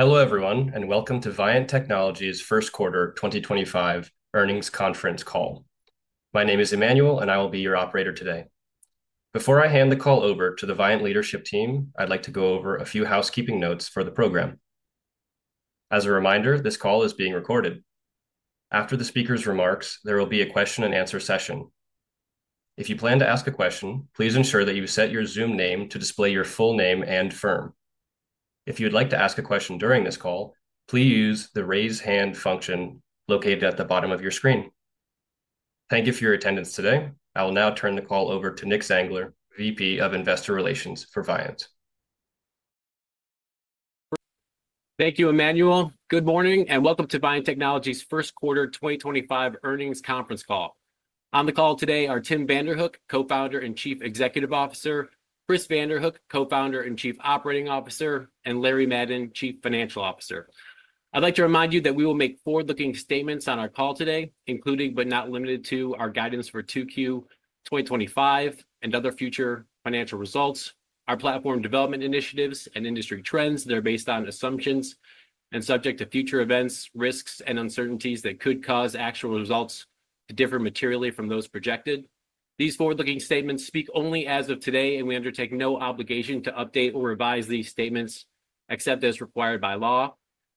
Hello everyone, and welcome to Viant Technology's first quarter 2025 earnings conference call. My name is Emmanuel, and I will be your operator today. Before I hand the call over to the Viant leadership team, I'd like to go over a few housekeeping notes for the program. As a reminder, this call is being recorded. After the speakers' remarks, there will be a question-and-answer session. If you plan to ask a question, please ensure that you set your Zoom name to display your full name and firm. If you'd like to ask a question during this call, please use the raise hand function located at the bottom of your screen. Thank you for your attendance today. I will now turn the call over to Nick Zangler, VP of Investor Relations for Viant. Thank you, Emmanuel. Good morning and welcome to Viant Technology's first quarter 2025 earnings conference call. On the call today are Tim Vanderhook, co-founder and Chief Executive Officer; Chris Vanderhook, co-founder and Chief Operating Officer; and Larry Madden, Chief Financial Officer. I'd like to remind you that we will make forward-looking statements on our call today, including but not limited to our guidance for 2Q 2025 and other future financial results, our platform development initiatives, and industry trends that are based on assumptions and subject to future events, risks, and uncertainties that could cause actual results to differ materially from those projected. These forward-looking statements speak only as of today, and we undertake no obligation to update or revise these statements except as required by law.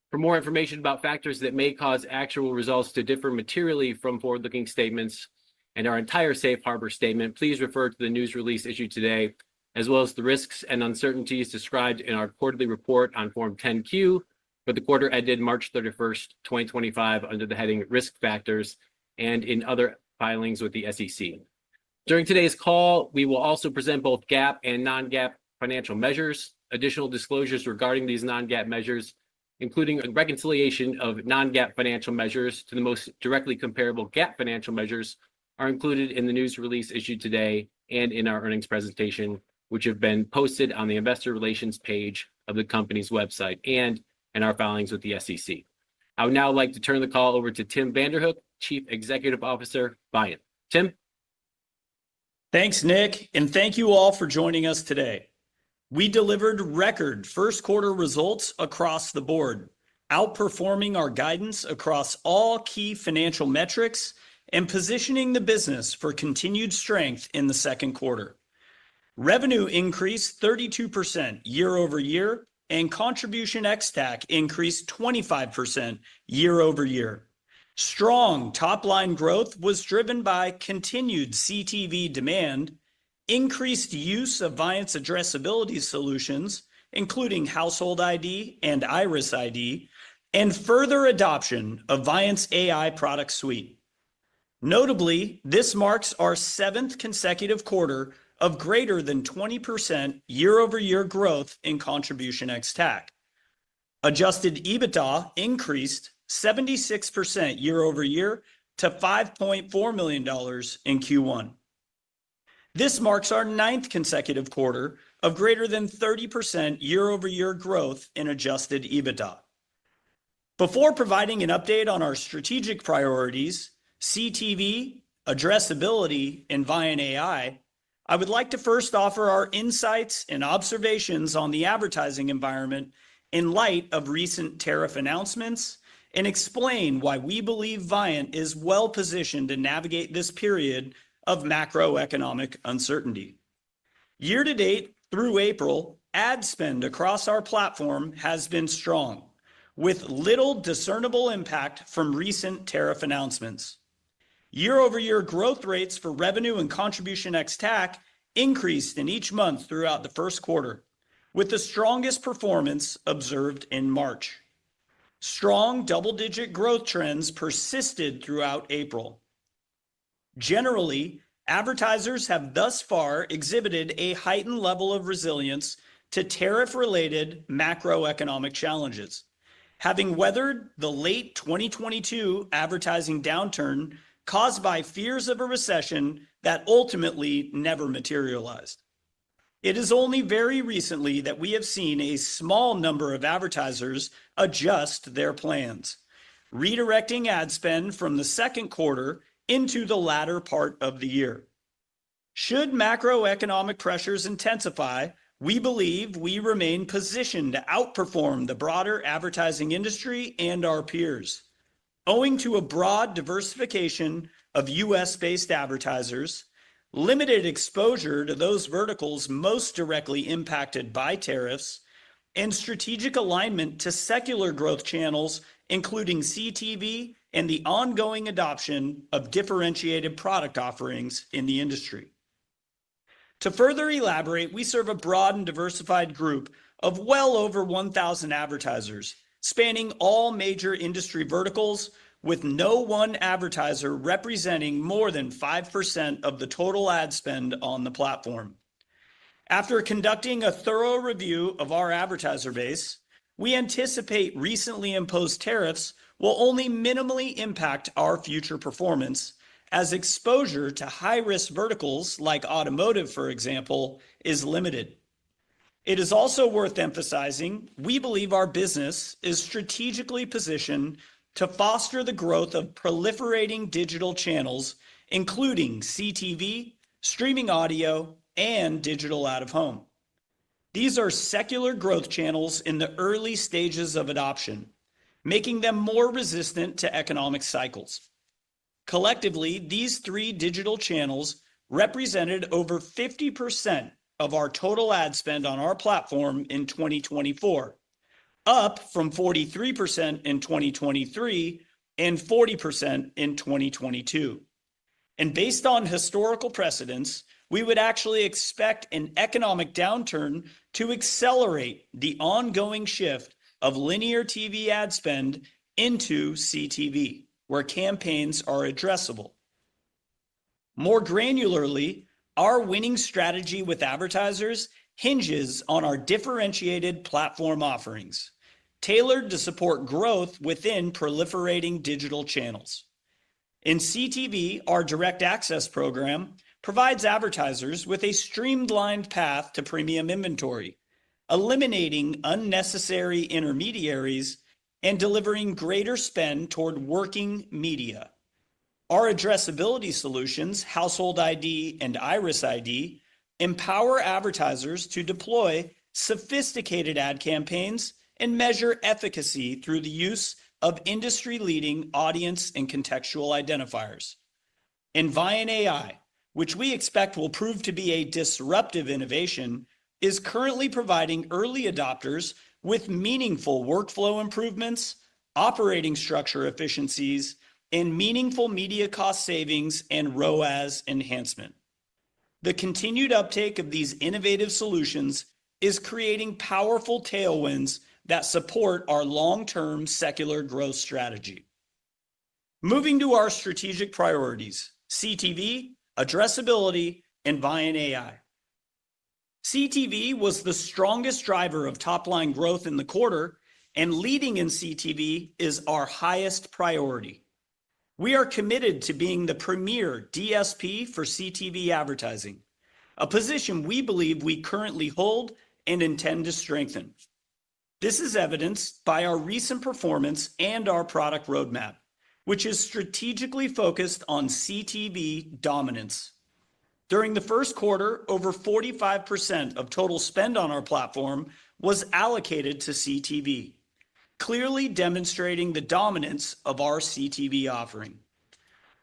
For more information about factors that may cause actual results to differ materially from forward-looking statements and our entire safe harbor statement, please refer to the news release issued today, as well as the risks and uncertainties described in our quarterly report on Form 10Q for the quarter ended March 31, 2025, under the heading risk factors and in other filings with the SEC. During today's call, we will also present both GAAP and non-GAAP financial measures. Additional disclosures regarding these non-GAAP measures, including a reconciliation of non-GAAP financial measures to the most directly comparable GAAP financial measures, are included in the news release issued today and in our earnings presentation, which have been posted on the investor relations page of the company's website and in our filings with the SEC. I would now like to turn the call over to Tim Vanderhook, Chief Executive Officer for Viant. Tim. Thanks, Nick, and thank you all for joining us today. We delivered record first quarter results across the board, outperforming our guidance across all key financial metrics and positioning the business for continued strength in the second quarter. Revenue increased 32% year over year, and contribution ex-TAC increased 25% year over year. Strong top-line growth was driven by continued CTV demand, increased use of Viant's addressability solutions, including Household ID and Iris ID, and further adoption of Viant's AI product suite. Notably, this marks our seventh consecutive quarter of greater than 20% year-over-year growth in contribution ex-TAC. Adjusted EBITDA increased 76% year over year to $5.4 million in Q1. This marks our ninth consecutive quarter of greater than 30% year-over-year growth in adjusted EBITDA. Before providing an update on our strategic priorities, CTV, addressability, and Viant AI, I would like to first offer our insights and observations on the advertising environment in light of recent tariff announcements and explain why we believe Viant is well-positioned to navigate this period of macroeconomic uncertainty. Year-to-date through April, ad spend across our platform has been strong, with little discernible impact from recent tariff announcements. Year-over-year growth rates for revenue and contribution ex-TAC increased in each month throughout the first quarter, with the strongest performance observed in March. Strong double-digit growth trends persisted throughout April. Generally, advertisers have thus far exhibited a heightened level of resilience to tariff-related macroeconomic challenges, having weathered the late 2022 advertising downturn caused by fears of a recession that ultimately never materialized. It is only very recently that we have seen a small number of advertisers adjust their plans, redirecting ad spend from the second quarter into the latter part of the year. Should macroeconomic pressures intensify, we believe we remain positioned to outperform the broader advertising industry and our peers, owing to a broad diversification of U.S.-based advertisers, limited exposure to those verticals most directly impacted by tariffs, and strategic alignment to secular growth channels, including CTV and the ongoing adoption of differentiated product offerings in the industry. To further elaborate, we serve a broad and diversified group of well over 1,000 advertisers spanning all major industry verticals, with no one advertiser representing more than 5% of the total ad spend on the platform. After conducting a thorough review of our advertiser base, we anticipate recently imposed tariffs will only minimally impact our future performance as exposure to high-risk verticals like automotive, for example, is limited. It is also worth emphasizing we believe our business is strategically positioned to foster the growth of proliferating digital channels, including CTV, streaming audio, and digital out-of-home. These are secular growth channels in the early stages of adoption, making them more resistant to economic cycles. Collectively, these three digital channels represented over 50% of our total ad spend on our platform in 2024, up from 43% in 2023 and 40% in 2022. Based on historical precedents, we would actually expect an economic downturn to accelerate the ongoing shift of linear TV ad spend into CTV, where campaigns are addressable. More granularly, our winning strategy with advertisers hinges on our differentiated platform offerings tailored to support growth within proliferating digital channels. In CTV, our Direct Access Program provides advertisers with a streamlined path to premium inventory, eliminating unnecessary intermediaries and delivering greater spend toward working media. Our addressability solutions, Household ID and Iris ID, empower advertisers to deploy sophisticated ad campaigns and measure efficacy through the use of industry-leading audience and contextual identifiers. Viant AI, which we expect will prove to be a disruptive innovation, is currently providing early adopters with meaningful workflow improvements, operating structure efficiencies, and meaningful media cost savings and ROAS enhancement. The continued uptake of these innovative solutions is creating powerful tailwinds that support our long-term secular growth strategy. Moving to our strategic priorities: CTV, addressability, and Viant AI. CTV was the strongest driver of top-line growth in the quarter, and leading in CTV is our highest priority. We are committed to being the premier DSP for CTV advertising, a position we believe we currently hold and intend to strengthen. This is evidenced by our recent performance and our product roadmap, which is strategically focused on CTV dominance. During the first quarter, over 45% of total spend on our platform was allocated to CTV, clearly demonstrating the dominance of our CTV offering.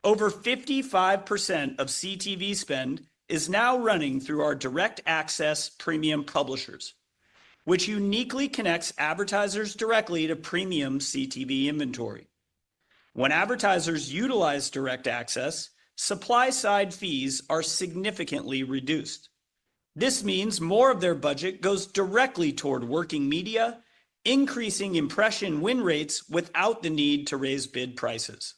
Over 55% of CTV spend is now running through our direct access premium publishers, which uniquely connects advertisers directly to premium CTV inventory. When advertisers utilize direct access, supply-side fees are significantly reduced. This means more of their budget goes directly toward working media, increasing impression win rates without the need to raise bid prices.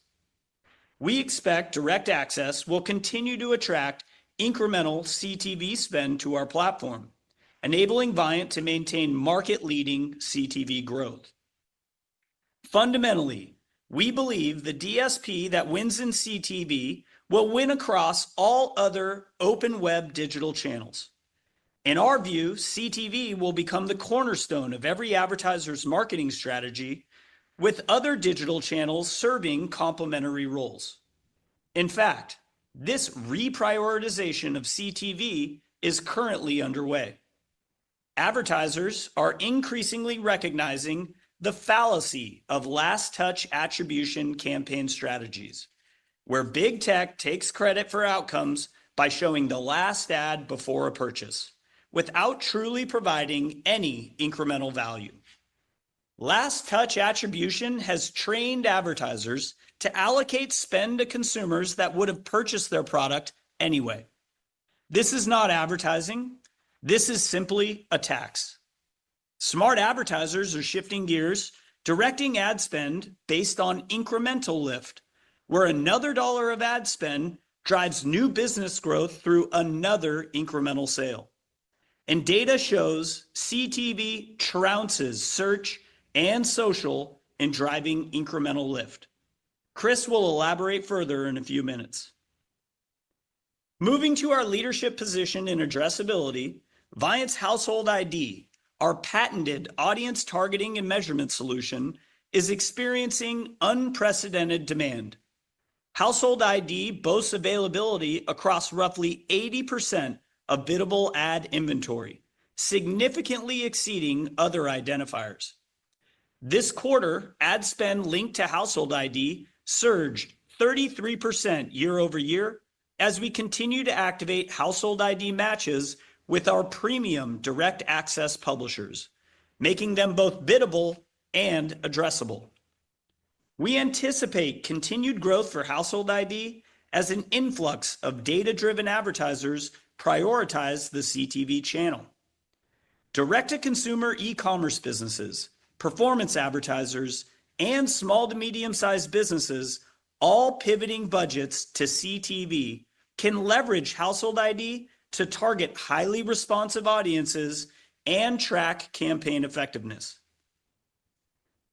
We expect direct access will continue to attract incremental CTV spend to our platform, enabling Viant to maintain market-leading CTV growth. Fundamentally, we believe the DSP that wins in CTV will win across all other open web digital channels. In our view, CTV will become the cornerstone of every advertiser's marketing strategy, with other digital channels serving complementary roles. In fact, this reprioritization of CTV is currently underway. Advertisers are increasingly recognizing the fallacy of last-touch attribution campaign strategies, where big tech takes credit for outcomes by showing the last ad before a purchase, without truly providing any incremental value. Last-touch attribution has trained advertisers to allocate spend to consumers that would have purchased their product anyway. This is not advertising. This is simply a tax. Smart advertisers are shifting gears, directing ad spend based on incremental lift, where another dollar of ad spend drives new business growth through another incremental sale. Data shows CTV trounces search and social in driving incremental lift. Chris will elaborate further in a few minutes. Moving to our leadership position in addressability, Viant's Household ID, our patented audience targeting and measurement solution, is experiencing unprecedented demand. Household ID boasts availability across roughly 80% of biddable ad inventory, significantly exceeding other identifiers. This quarter, ad spend linked to Household ID surged 33% year-over-year as we continue to activate Household ID matches with our premium Direct Access publishers, making them both biddable and addressable. We anticipate continued growth for Household ID as an influx of data-driven advertisers prioritize the CTV channel. Direct-to-consumer e-commerce businesses, performance advertisers, and small to medium-sized businesses, all pivoting budgets to CTV, can leverage Household ID to target highly responsive audiences and track campaign effectiveness.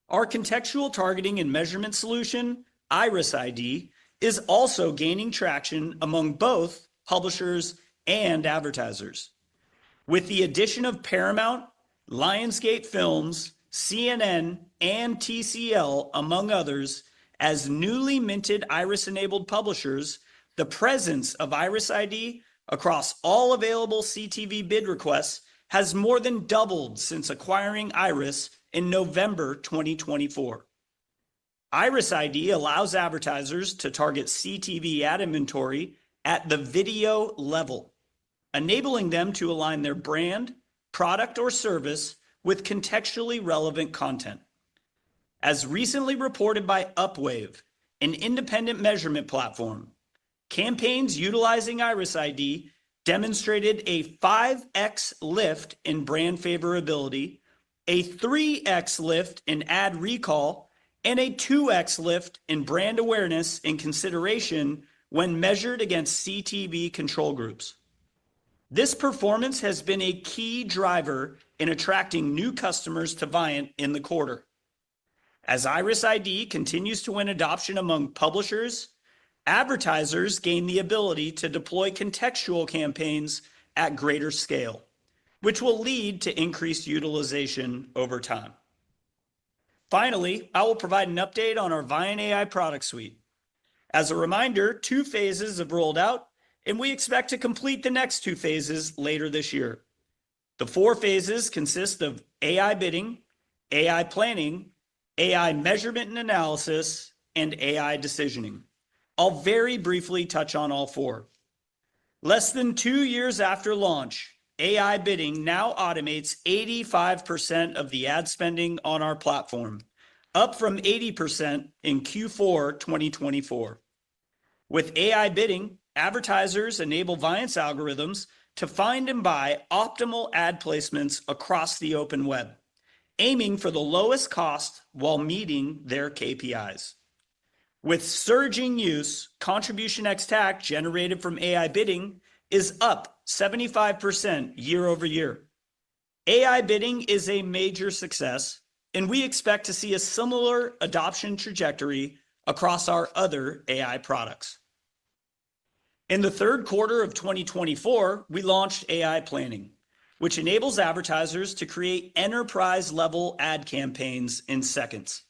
Our contextual targeting and measurement solution, Iris ID, is also gaining traction among both publishers and advertisers. With the addition of Paramount, Lionsgate Films, CNN, and TCL, among others, as newly minted IRIS-enabled publishers, the presence of Iris ID across all available CTV bid requests has more than doubled since acquiring IRIS in November 2024. Iris ID allows advertisers to target CTV ad inventory at the video level, enabling them to align their brand, product, or service with contextually relevant content. As recently reported by Upwave, an independent measurement platform, campaigns utilizing Iris ID demonstrated a 5x lift in brand favorability, a 3x lift in ad recall, and a 2x lift in brand awareness and consideration when measured against CTV control groups. This performance has been a key driver in attracting new customers to Viant in the quarter. As Iris ID continues to win adoption among publishers, advertisers gain the ability to deploy contextual campaigns at greater scale, which will lead to increased utilization over time. Finally, I will provide an update on our Viant AI product suite. As a reminder, two phases have rolled out, and we expect to complete the next two phases later this year. The four phases consist of AI Bidding, AI Planning, AI Measurement and Analysis, and AI Decisioning. I'll very briefly touch on all four. Less than two years after launch, AI Bidding now automates 85% of the ad spending on our platform, up from 80% in Q4 2024. With AI Bidding, advertisers enable Viant's algorithms to find and buy optimal ad placements across the open web, aiming for the lowest cost while meeting their KPIs. With surging use, contribution ex-TAC generated from AI Bidding is up 75% year-over-year. AI Bidding is a major success, and we expect to see a similar adoption trajectory across our other AI products. In the third quarter of 2024, we launched AI Planning, which enables advertisers to create enterprise-level ad campaigns in seconds.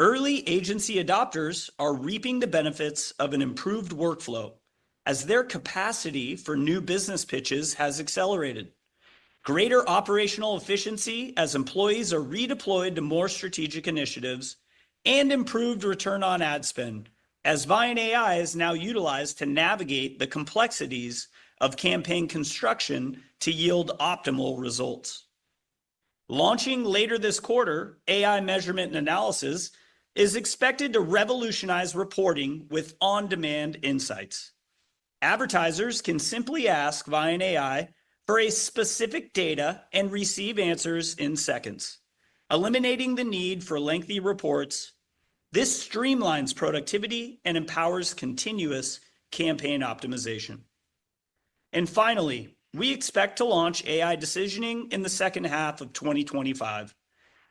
Early agency adopters are reaping the benefits of an improved workflow as their capacity for new business pitches has accelerated, greater operational efficiency as employees are redeployed to more strategic initiatives, and improved return on ad spend as Viant AI is now utilized to navigate the complexities of campaign construction to yield optimal results. Launching later this quarter, AI Measurement and Analysis is expected to revolutionize reporting with on-demand insights. Advertisers can simply ask Viant AI for a specific data and receive answers in seconds, eliminating the need for lengthy reports. This streamlines productivity and empowers continuous campaign optimization. Finally, we expect to launch AI Decisioning in the second half of 2025,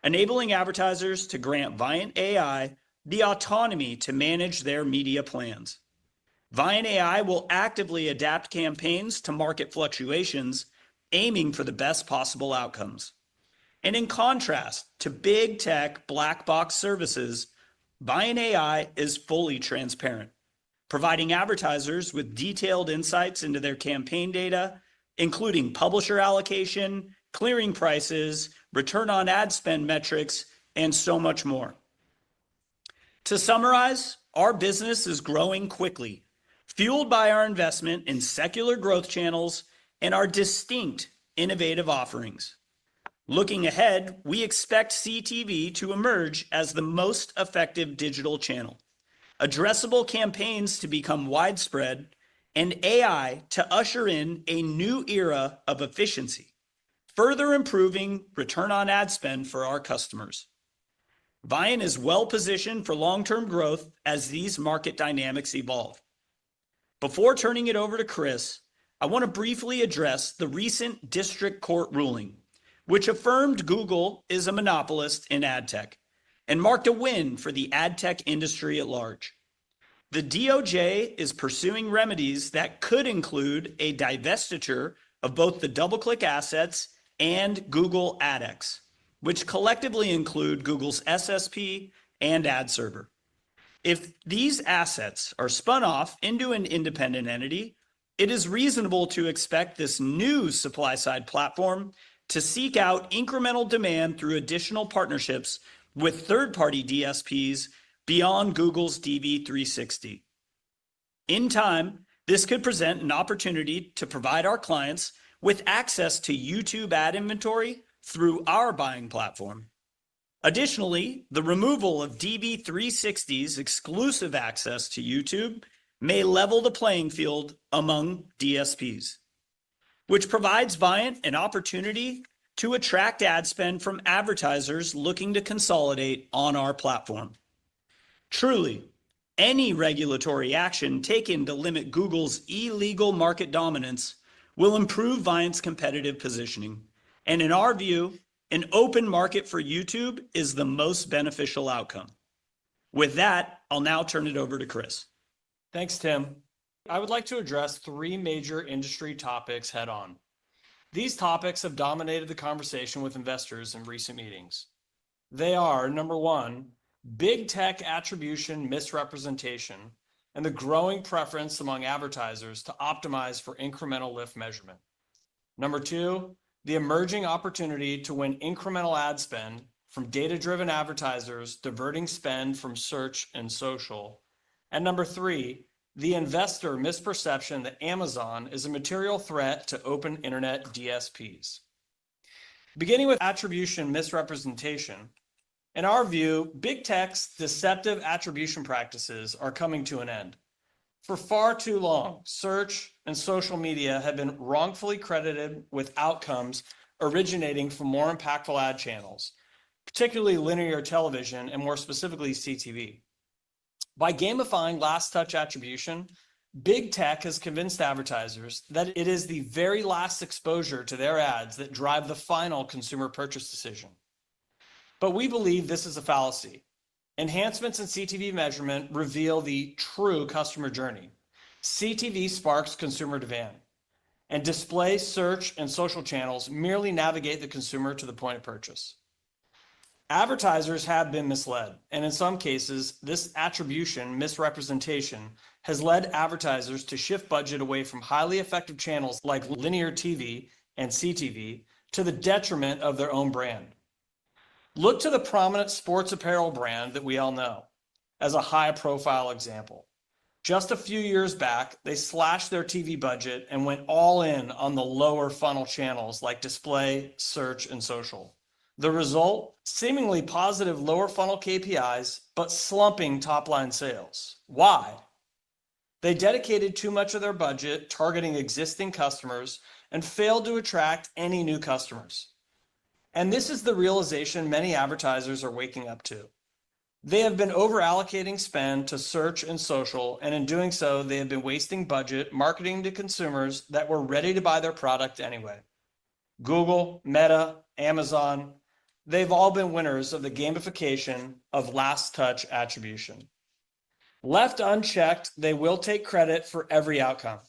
enabling advertisers to grant Viant AI the autonomy to manage their media plans. Viant AI will actively adapt campaigns to market fluctuations, aiming for the best possible outcomes. In contrast to big tech black box services, Viant AI is fully transparent, providing advertisers with detailed insights into their campaign data, including publisher allocation, clearing prices, return on ad spend metrics, and so much more. To summarize, our business is growing quickly, fueled by our investment in secular growth channels and our distinct innovative offerings. Looking ahead, we expect CTV to emerge as the most effective digital channel, addressable campaigns to become widespread, and AI to usher in a new era of efficiency, further improving return on ad spend for our customers. Viant is well-positioned for long-term growth as these market dynamics evolve. Before turning it over to Chris, I want to briefly address the recent district court ruling, which affirmed Google is a monopolist in ad tech and marked a win for the ad tech industry at large. The DOJ is pursuing remedies that could include a divestiture of both the DoubleClick assets and Google AdX, which collectively include Google's SSP and ad server. If these assets are spun off into an independent entity, it is reasonable to expect this new supply-side platform to seek out incremental demand through additional partnerships with third-party DSPs beyond Google's DV360. In time, this could present an opportunity to provide our clients with access to YouTube ad inventory through our buying platform. Additionally, the removal of DV360's exclusive access to YouTube may level the playing field among DSPs, which provides Viant an opportunity to attract ad spend from advertisers looking to consolidate on our platform. Truly, any regulatory action taken to limit Google's illegal market dominance will improve Viant's competitive positioning. In our view, an open market for YouTube is the most beneficial outcome. With that, I'll now turn it over to Chris. Thanks, Tim. I would like to address three major industry topics head-on. These topics have dominated the conversation with investors in recent meetings. They are, number one, big tech attribution misrepresentation and the growing preference among advertisers to optimize for incremental lift measurement. Number two, the emerging opportunity to win incremental ad spend from data-driven advertisers diverting spend from search and social. Number three, the investor misperception that Amazon is a material threat to open internet DSPs. Beginning with attribution misrepresentation, in our view, big tech's deceptive attribution practices are coming to an end. For far too long, search and social media have been wrongfully credited with outcomes originating from more impactful ad channels, particularly linear television and more specifically CTV. By gamifying last-touch attribution, big tech has convinced advertisers that it is the very last exposure to their ads that drives the final consumer purchase decision. We believe this is a fallacy. Enhancements in CTV measurement reveal the true customer journey. CTV sparks consumer demand, and display search and social channels merely navigate the consumer to the point of purchase. Advertisers have been misled, and in some cases, this attribution misrepresentation has led advertisers to shift budget away from highly effective channels like linear TV and CTV to the detriment of their own brand. Look to the prominent sports apparel brand that we all know as a high-profile example. Just a few years back, they slashed their TV budget and went all in on the lower funnel channels like display, search, and social. The result? Seemingly positive lower funnel KPIs, but slumping top-line sales. Why? They dedicated too much of their budget targeting existing customers and failed to attract any new customers. This is the realization many advertisers are waking up to. They have been overallocating spend to search and social, and in doing so, they have been wasting budget marketing to consumers that were ready to buy their product anyway. Google, Meta, Amazon, they've all been winners of the gamification of last-touch attribution. Left unchecked, they will take credit for every outcome.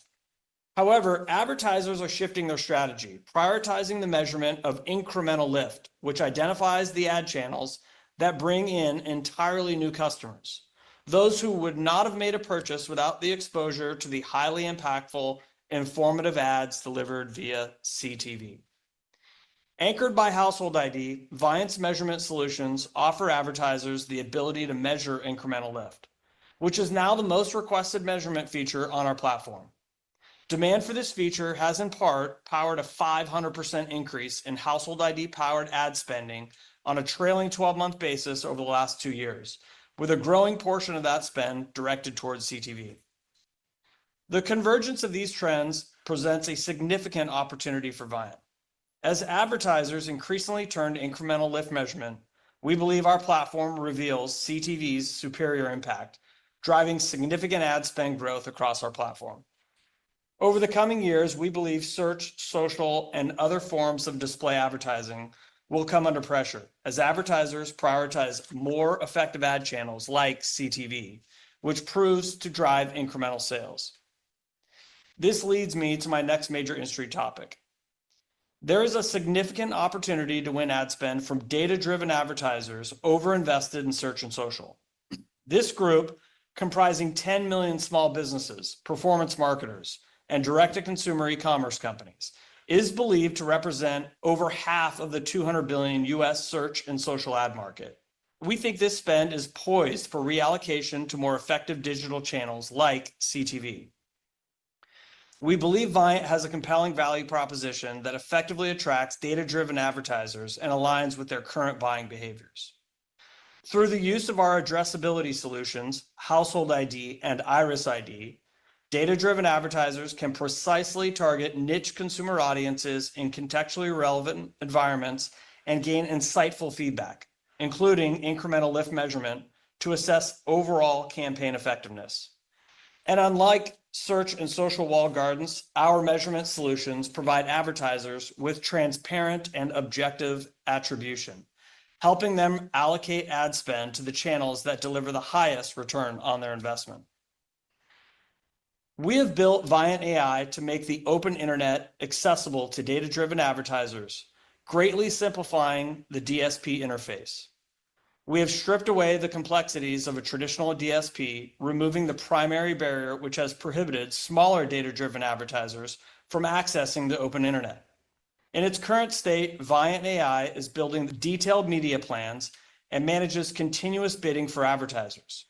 However, advertisers are shifting their strategy, prioritizing the measurement of incremental lift, which identifies the ad channels that bring in entirely new customers, those who would not have made a purchase without the exposure to the highly impactful informative ads delivered via CTV. Anchored by Household ID, Viant's measurement solutions offer advertisers the ability to measure incremental lift, which is now the most requested measurement feature on our platform. Demand for this feature has in part powered a 500% increase in Household ID-powered ad spending on a trailing 12-month basis over the last two years, with a growing portion of that spend directed towards CTV. The convergence of these trends presents a significant opportunity for Viant. As advertisers increasingly turn to incremental lift measurement, we believe our platform reveals CTV's superior impact, driving significant ad spend growth across our platform. Over the coming years, we believe search, social, and other forms of display advertising will come under pressure as advertisers prioritize more effective ad channels like CTV, which proves to drive incremental sales. This leads me to my next major industry topic. There is a significant opportunity to win ad spend from data-driven advertisers overinvested in search and social. This group, comprising 10 million small businesses, performance marketers, and direct-to-consumer e-commerce companies, is believed to represent over half of the $200 billion U.S. search and social ad market. We think this spend is poised for reallocation to more effective digital channels like CTV. We believe Viant has a compelling value proposition that effectively attracts data-driven advertisers and aligns with their current buying behaviors. Through the use of our addressability solutions, Household ID, and Iris ID, data-driven advertisers can precisely target niche consumer audiences in contextually relevant environments and gain insightful feedback, including incremental lift measurement, to assess overall campaign effectiveness. Unlike search and social walled gardens, our measurement solutions provide advertisers with transparent and objective attribution, helping them allocate ad spend to the channels that deliver the highest return on their investment. We have built Viant AI to make the open internet accessible to data-driven advertisers, greatly simplifying the DSP interface. We have stripped away the complexities of a traditional DSP, removing the primary barrier which has prohibited smaller data-driven advertisers from accessing the open internet. In its current state, Viant AI is building detailed media plans and manages continuous bidding for advertisers.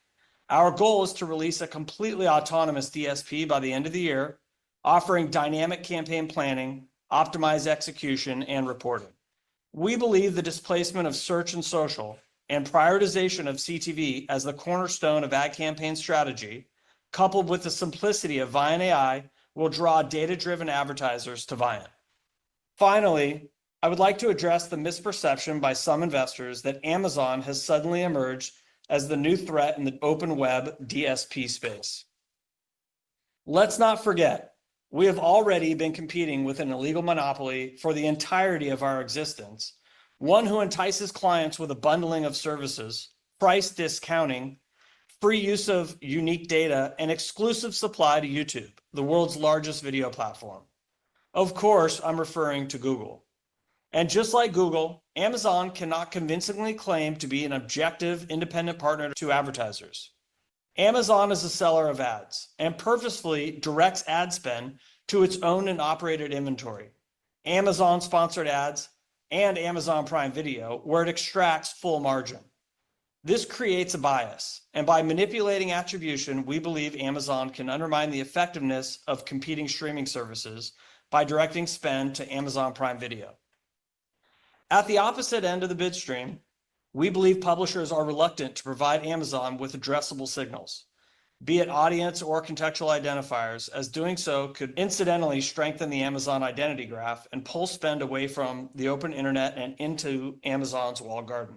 Our goal is to release a completely autonomous DSP by the end of the year, offering dynamic campaign planning, optimized execution, and reporting. We believe the displacement of search and social and prioritization of CTV as the cornerstone of ad campaign strategy, coupled with the simplicity of Viant AI, will draw data-driven advertisers to Viant. Finally, I would like to address the misperception by some investors that Amazon has suddenly emerged as the new threat in the open web DSP space. Let's not forget, we have already been competing with an illegal monopoly for the entirety of our existence, one who entices clients with a bundling of services, price discounting, free use of unique data, and exclusive supply to YouTube, the world's largest video platform. Of course, I'm referring to Google. Just like Google, Amazon cannot convincingly claim to be an objective independent partner to advertisers. Amazon is a seller of ads and purposefully directs ad spend to its own and operated inventory, Amazon-sponsored ads and Amazon Prime Video, where it extracts full margin. This creates a bias, and by manipulating attribution, we believe Amazon can undermine the effectiveness of competing streaming services by directing spend to Amazon Prime Video. At the opposite end of the bid stream, we believe publishers are reluctant to provide Amazon with addressable signals, be it audience or contextual identifiers, as doing so could incidentally strengthen the Amazon identity graph and pull spend away from the open internet and into Amazon's walled garden.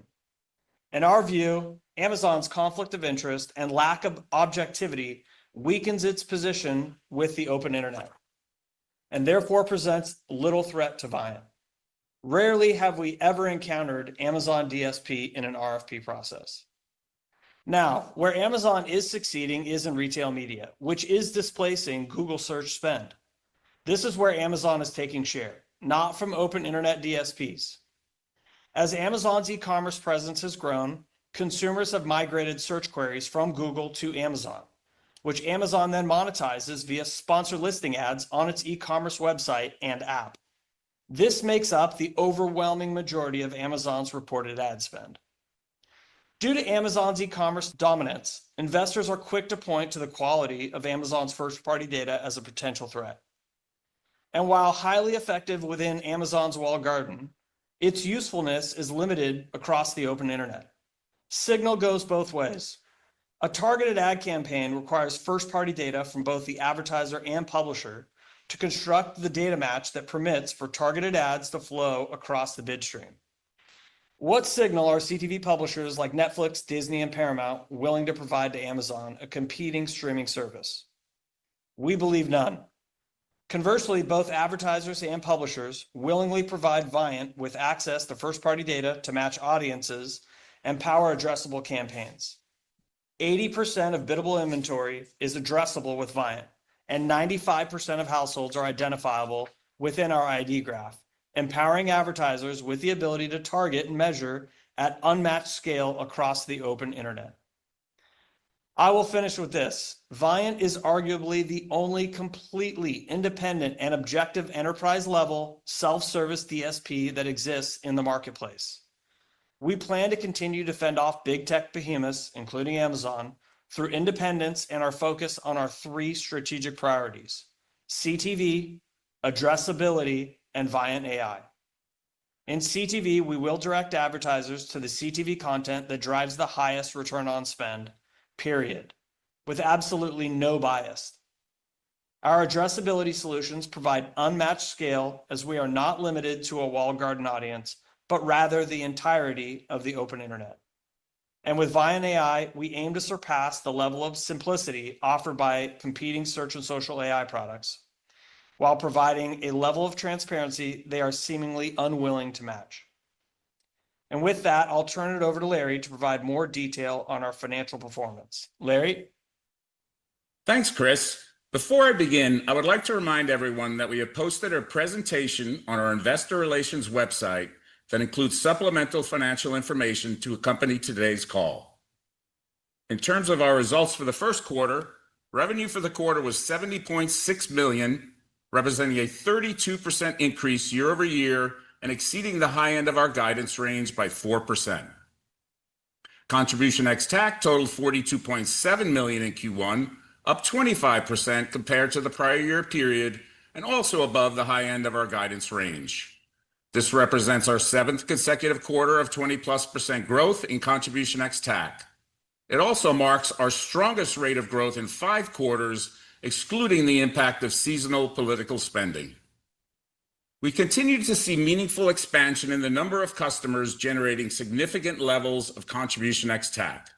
In our view, Amazon's conflict of interest and lack of objectivity weakens its position with the open internet and therefore presents little threat to Viant. Rarely have we ever encountered Amazon DSP in an RFP process. Now, where Amazon is succeeding is in retail media, which is displacing Google search spend. This is where Amazon is taking share, not from open internet DSPs. As Amazon's e-commerce presence has grown, consumers have migrated search queries from Google to Amazon, which Amazon then monetizes via sponsored listing ads on its e-commerce website and app. This makes up the overwhelming majority of Amazon's reported ad spend. Due to Amazon's e-commerce dominance, investors are quick to point to the quality of Amazon's first-party data as a potential threat. While highly effective within Amazon's walled garden, its usefulness is limited across the open internet. Signal goes both ways. A targeted ad campaign requires first-party data from both the advertiser and publisher to construct the data match that permits for targeted ads to flow across the bid stream. What signal are CTV publishers like Netflix, Disney, and Paramount willing to provide to Amazon, a competing streaming service? We believe none. Conversely, both advertisers and publishers willingly provide Viant with access to first-party data to match audiences and power addressable campaigns. 80% of biddable inventory is addressable with Viant, and 95% of households are identifiable within our ID graph, empowering advertisers with the ability to target and measure at unmatched scale across the open internet. I will finish with this. Viant is arguably the only completely independent and objective enterprise-level self-service DSP that exists in the marketplace. We plan to continue to fend off big tech behemoths, including Amazon, through independence and our focus on our three strategic priorities: CTV, addressability, and Viant AI. In CTV, we will direct advertisers to the CTV content that drives the highest return on spend, period, with absolutely no bias. Our addressability solutions provide unmatched scale as we are not limited to a walled garden audience, but rather the entirety of the open internet. With Viant AI, we aim to surpass the level of simplicity offered by competing search and social AI products while providing a level of transparency they are seemingly unwilling to match. With that, I'll turn it over to Larry to provide more detail on our financial performance. Larry? Thanks, Chris. Before I begin, I would like to remind everyone that we have posted a presentation on our investor relations website that includes supplemental financial information to accompany today's call. In terms of our results for the first quarter, revenue for the quarter was $70.6 million, representing a 32% increase year over year and exceeding the high end of our guidance range by 4%. Contribution ex-TAC totaled $42.7 million in Q1, up 25% compared to the prior year period and also above the high end of our guidance range. This represents our seventh consecutive quarter of 20-plus % growth in contribution ex-TAC. It also marks our strongest rate of growth in five quarters, excluding the impact of seasonal political spending. We continue to see meaningful expansion in the number of customers generating significant levels of contribution ex-TAC.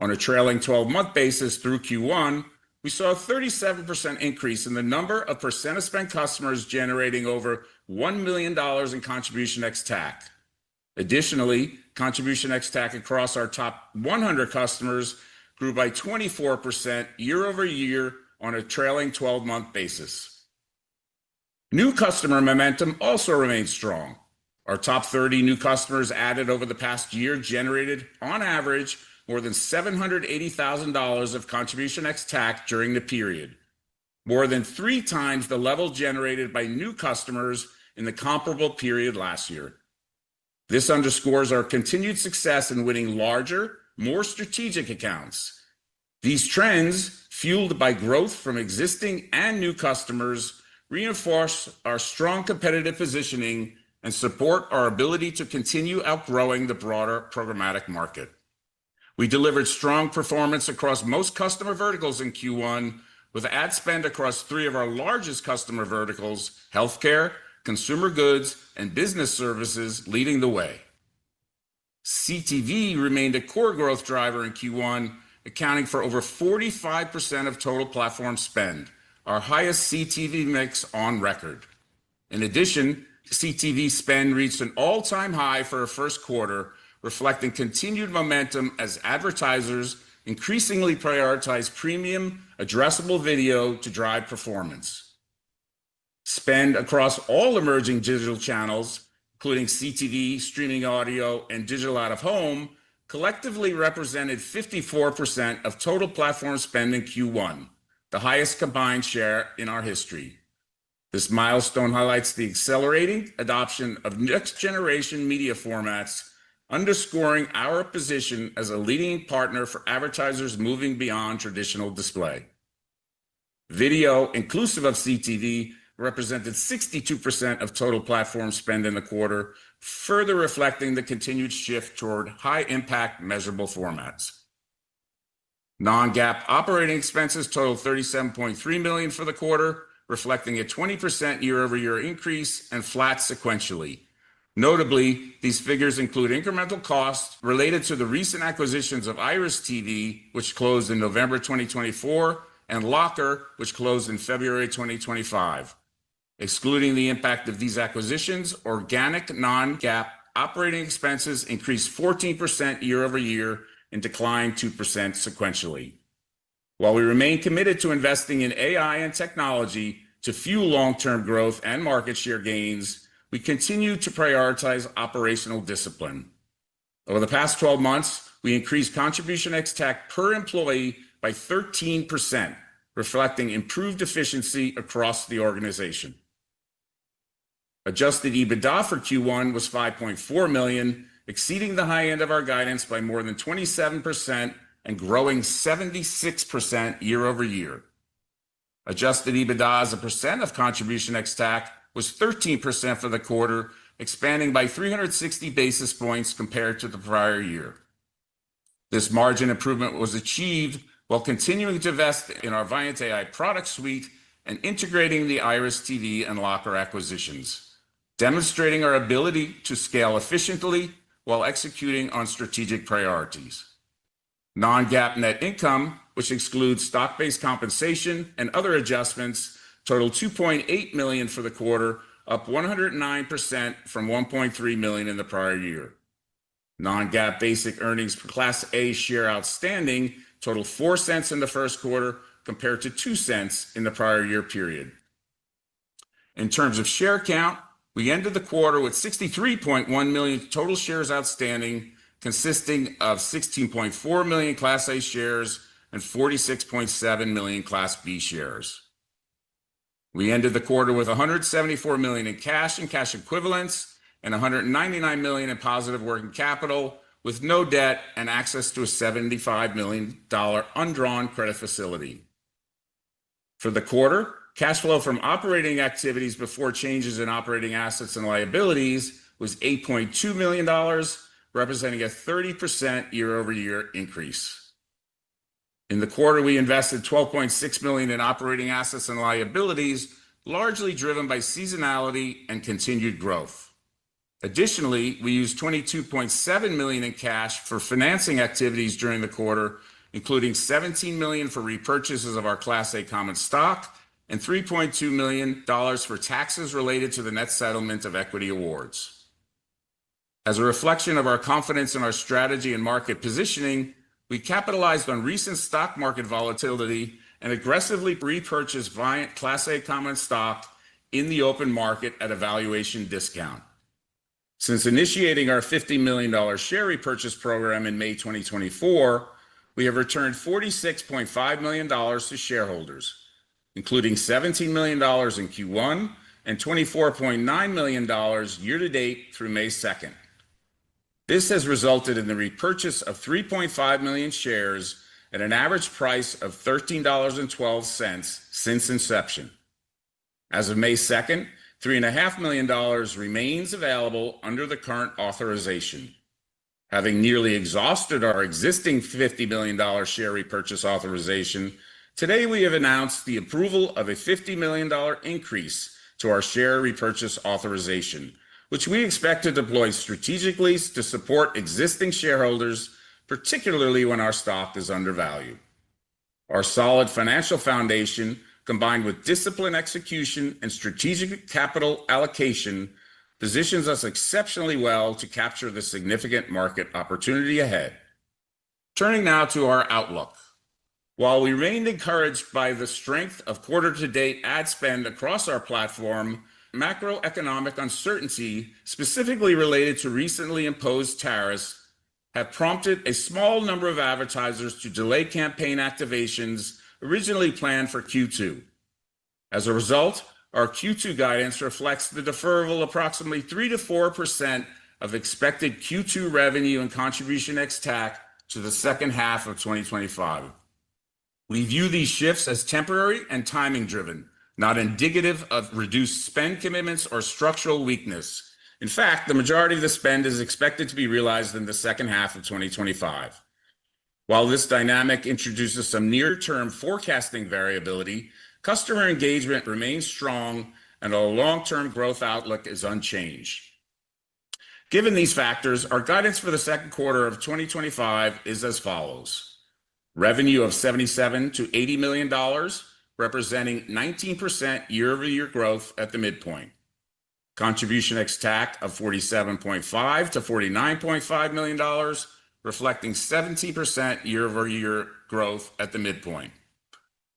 On a trailing 12-month basis through Q1, we saw a 37% increase in the number of percent of spent customers generating over $1 million in contribution ex-TAC. Additionally, contribution ex-TAC across our top 100 customers grew by 24% year over year on a trailing 12-month basis. New customer momentum also remains strong. Our top 30 new customers added over the past year generated, on average, more than $780,000 of contribution ex-TAC during the period, more than three times the level generated by new customers in the comparable period last year. This underscores our continued success in winning larger, more strategic accounts. These trends, fueled by growth from existing and new customers, reinforce our strong competitive positioning and support our ability to continue outgrowing the broader programmatic market. We delivered strong performance across most customer verticals in Q1, with ad spend across three of our largest customer verticals, healthcare, consumer goods, and business services, leading the way. CTV remained a core growth driver in Q1, accounting for over 45% of total platform spend, our highest CTV mix on record. In addition, CTV spend reached an all-time high for our first quarter, reflecting continued momentum as advertisers increasingly prioritize premium addressable video to drive performance. Spend across all emerging digital channels, including CTV, streaming audio, and digital out of home, collectively represented 54% of total platform spend in Q1, the highest combined share in our history. This milestone highlights the accelerating adoption of next-generation media formats, underscoring our position as a leading partner for advertisers moving beyond traditional display. Video, inclusive of CTV, represented 62% of total platform spend in the quarter, further reflecting the continued shift toward high-impact measurable formats. Non-GAAP operating expenses totaled $37.3 million for the quarter, reflecting a 20% year-over-year increase and flat sequentially. Notably, these figures include incremental costs related to the recent acquisitions of IRIS.TV, which closed in November 2024, and Locker, which closed in February 2025. Excluding the impact of these acquisitions, organic non-GAAP operating expenses increased 14% year over year and declined 2% sequentially. While we remain committed to investing in AI and technology to fuel long-term growth and market share gains, we continue to prioritize operational discipline. Over the past 12 months, we increased contribution ex-TAC per employee by 13%, reflecting improved efficiency across the organization. Adjusted EBITDA for Q1 was $5.4 million, exceeding the high end of our guidance by more than 27% and growing 76% year over year. Adjusted EBITDA as a percent of contribution ex-TAC was 13% for the quarter, expanding by 360 basis points compared to the prior year. This margin improvement was achieved while continuing to invest in our Viant AI product suite and integrating the IRIS.TV and Locker acquisitions, demonstrating our ability to scale efficiently while executing on strategic priorities. Non-GAAP net income, which excludes stock-based compensation and other adjustments, totaled $2.8 million for the quarter, up 109% from $1.3 million in the prior year. Non-GAAP basic earnings per class A share outstanding totaled $0.04 in the first quarter compared to $0.02 in the prior year period. In terms of share count, we ended the quarter with 63.1 million total shares outstanding, consisting of 16.4 million class A shares and 46.7 million class B shares. We ended the quarter with $174 million in cash and cash equivalents and $199 million in positive working capital, with no debt and access to a $75 million undrawn credit facility. For the quarter, cash flow from operating activities before changes in operating assets and liabilities was $8.2 million, representing a 30% year-over-year increase. In the quarter, we invested $12.6 million in operating assets and liabilities, largely driven by seasonality and continued growth. Additionally, we used $22.7 million in cash for financing activities during the quarter, including $17 million for repurchases of our class A common stock and $3.2 million for taxes related to the net settlement of equity awards. As a reflection of our confidence in our strategy and market positioning, we capitalized on recent stock market volatility and aggressively repurchased Viant class A common stock in the open market at a valuation discount. Since initiating our $50 million share repurchase program in May 2024, we have returned $46.5 million to shareholders, including $17 million in Q1 and $24.9 million year-to-date through May 2. This has resulted in the repurchase of 3.5 million shares at an average price of $13.12 since inception. As of May 2, $3.5 million remains available under the current authorization. Having nearly exhausted our existing $50 million share repurchase authorization, today we have announced the approval of a $50 million increase to our share repurchase authorization, which we expect to deploy strategically to support existing shareholders, particularly when our stock is under value. Our solid financial foundation, combined with disciplined execution and strategic capital allocation, positions us exceptionally well to capture the significant market opportunity ahead. Turning now to our outlook. While we remained encouraged by the strength of quarter-to-date ad spend across our platform, macroeconomic uncertainty, specifically related to recently imposed tariffs, has prompted a small number of advertisers to delay campaign activations originally planned for Q2. As a result, our Q2 guidance reflects the deferral of approximately 3-4% of expected Q2 revenue and contribution ex-TAC to the second half of 2025. We view these shifts as temporary and timing-driven, not indicative of reduced spend commitments or structural weakness. In fact, the majority of the spend is expected to be realized in the second half of 2025. While this dynamic introduces some near-term forecasting variability, customer engagement remains strong, and our long-term growth outlook is unchanged. Given these factors, our guidance for the second quarter of 2025 is as follows: revenue of $77 million-$80 million, representing 19% year-over-year growth at the midpoint; contribution ex-TAC of $47.5 million-$49.5 million, reflecting 17% year-over-year growth at the midpoint;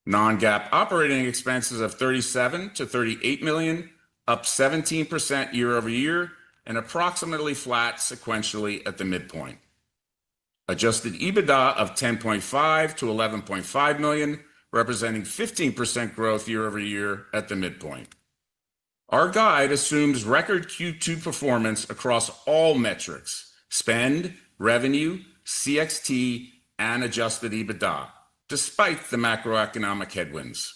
non-GAAP operating expenses of $37 million-$38 million, up 17% year-over-year and approximately flat sequentially at the midpoint; adjusted EBITDA of $10.5 million-$11.5 million, representing 15% growth year-over-year at the midpoint. Our guide assumes record Q2 performance across all metrics: spend, revenue, CTV, and adjusted EBITDA, despite the macroeconomic headwinds.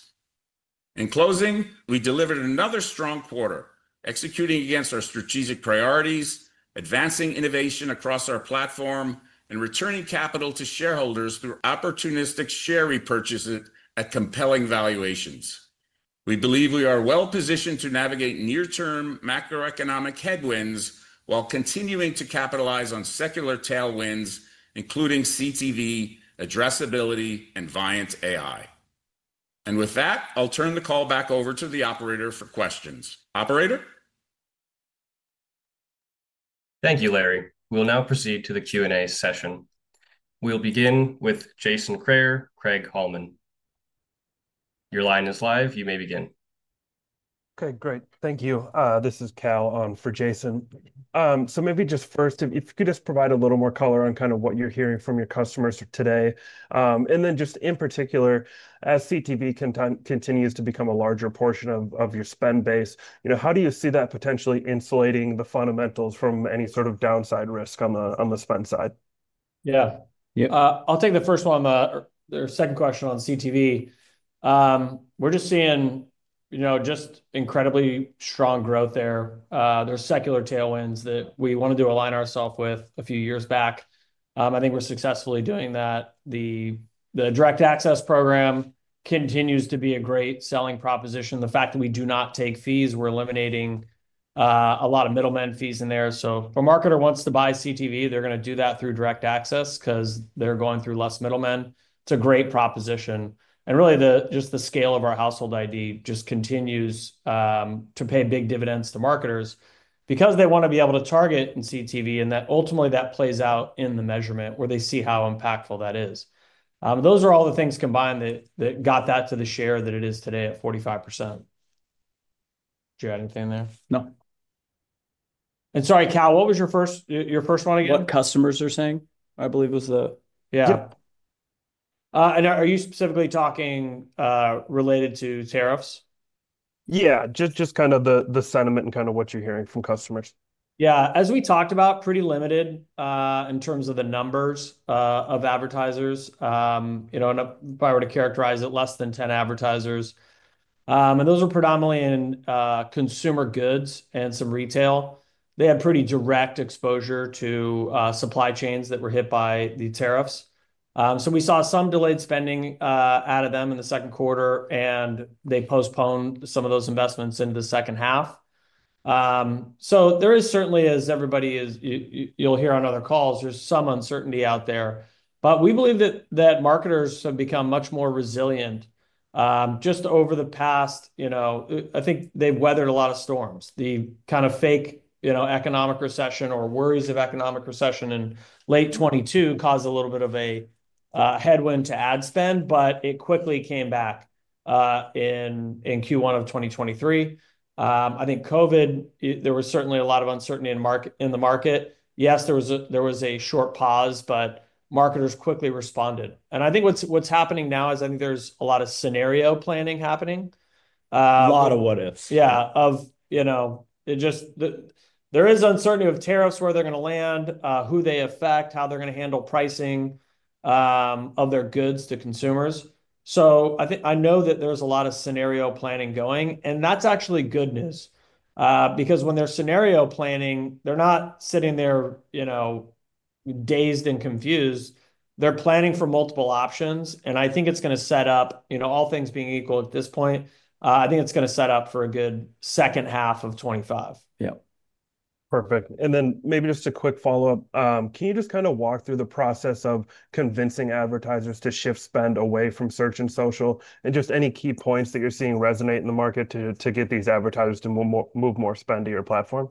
In closing, we delivered another strong quarter, executing against our strategic priorities, advancing innovation across our platform, and returning capital to shareholders through opportunistic share repurchases at compelling valuations. We believe we are well-positioned to navigate near-term macroeconomic headwinds while continuing to capitalize on secular tailwinds, including CTV, addressability, and Viant AI. With that, I'll turn the call back over to the operator for questions. Operator? Thank you, Larry. We'll now proceed to the Q&A session. We'll begin with Jason Kreyer, Craig-Hallum. Your line is live. You may begin. Okay, great. Thank you. This is Cal on for Jason. Maybe just first, if you could just provide a little more color on kind of what you're hearing from your customers today. Just in particular, as CTV continues to become a larger portion of your spend base, you know, how do you see that potentially insulating the fundamentals from any sort of downside risk on the spend side? Yeah, yeah, I'll take the first one on the second question on CTV. We're just seeing, you know, just incredibly strong growth there. There are secular tailwinds that we wanted to align ourselves with a few years back. I think we're successfully doing that. The Direct Access Program continues to be a great selling proposition. The fact that we do not take fees, we're eliminating a lot of middlemen fees in there. If a marketer wants to buy CTV, they're going to do that through Direct Access because they're going through fewer middlemen. It's a great proposition. Really, just the scale of our Household ID just continues to pay big dividends to marketers because they want to be able to target in CTV, and that ultimately plays out in the measurement where they see how impactful that is. Those are all the things combined that got that to the share that it is today at 45%. Do you have anything there? No. Sorry, Cal, what was your first one again? What customers are saying, I believe, was the, yeah. Yep. Are you specifically talking related to tariffs? Yeah, just kind of the sentiment and kind of what you're hearing from customers. Yeah, as we talked about, pretty limited in terms of the numbers of advertisers. You know, if I were to characterize it, less than 10 advertisers. Those were predominantly in consumer goods and some retail. They had pretty direct exposure to supply chains that were hit by the tariffs. We saw some delayed spending out of them in the second quarter, and they postponed some of those investments into the second half. There is certainly, as everybody is, you'll hear on other calls, some uncertainty out there. We believe that marketers have become much more resilient. Just over the past, you know, I think they've weathered a lot of storms. The kind of fake, you know, economic recession or worries of economic recession in late 2022 caused a little bit of a headwind to ad spend, but it quickly came back in Q1 of 2023. I think COVID, there was certainly a lot of uncertainty in the market. Yes, there was a short pause, but marketers quickly responded. I think what's happening now is I think there's a lot of scenario planning happening. A lot of what-ifs. Yeah, of, you know, it just, there is uncertainty of tariffs, where they're going to land, who they affect, how they're going to handle pricing of their goods to consumers. I think I know that there's a lot of scenario planning going, and that's actually good news. Because when they're scenario planning, they're not sitting there, you know, dazed and confused. They're planning for multiple options, and I think it's going to set up, you know, all things being equal at this point, I think it's going to set up for a good second half of 2025. Yeah. Perfect. And then maybe just a quick follow-up. Can you just kind of walk through the process of convincing advertisers to shift spend away from search and social and just any key points that you're seeing resonate in the market to get these advertisers to move more spend to your platform?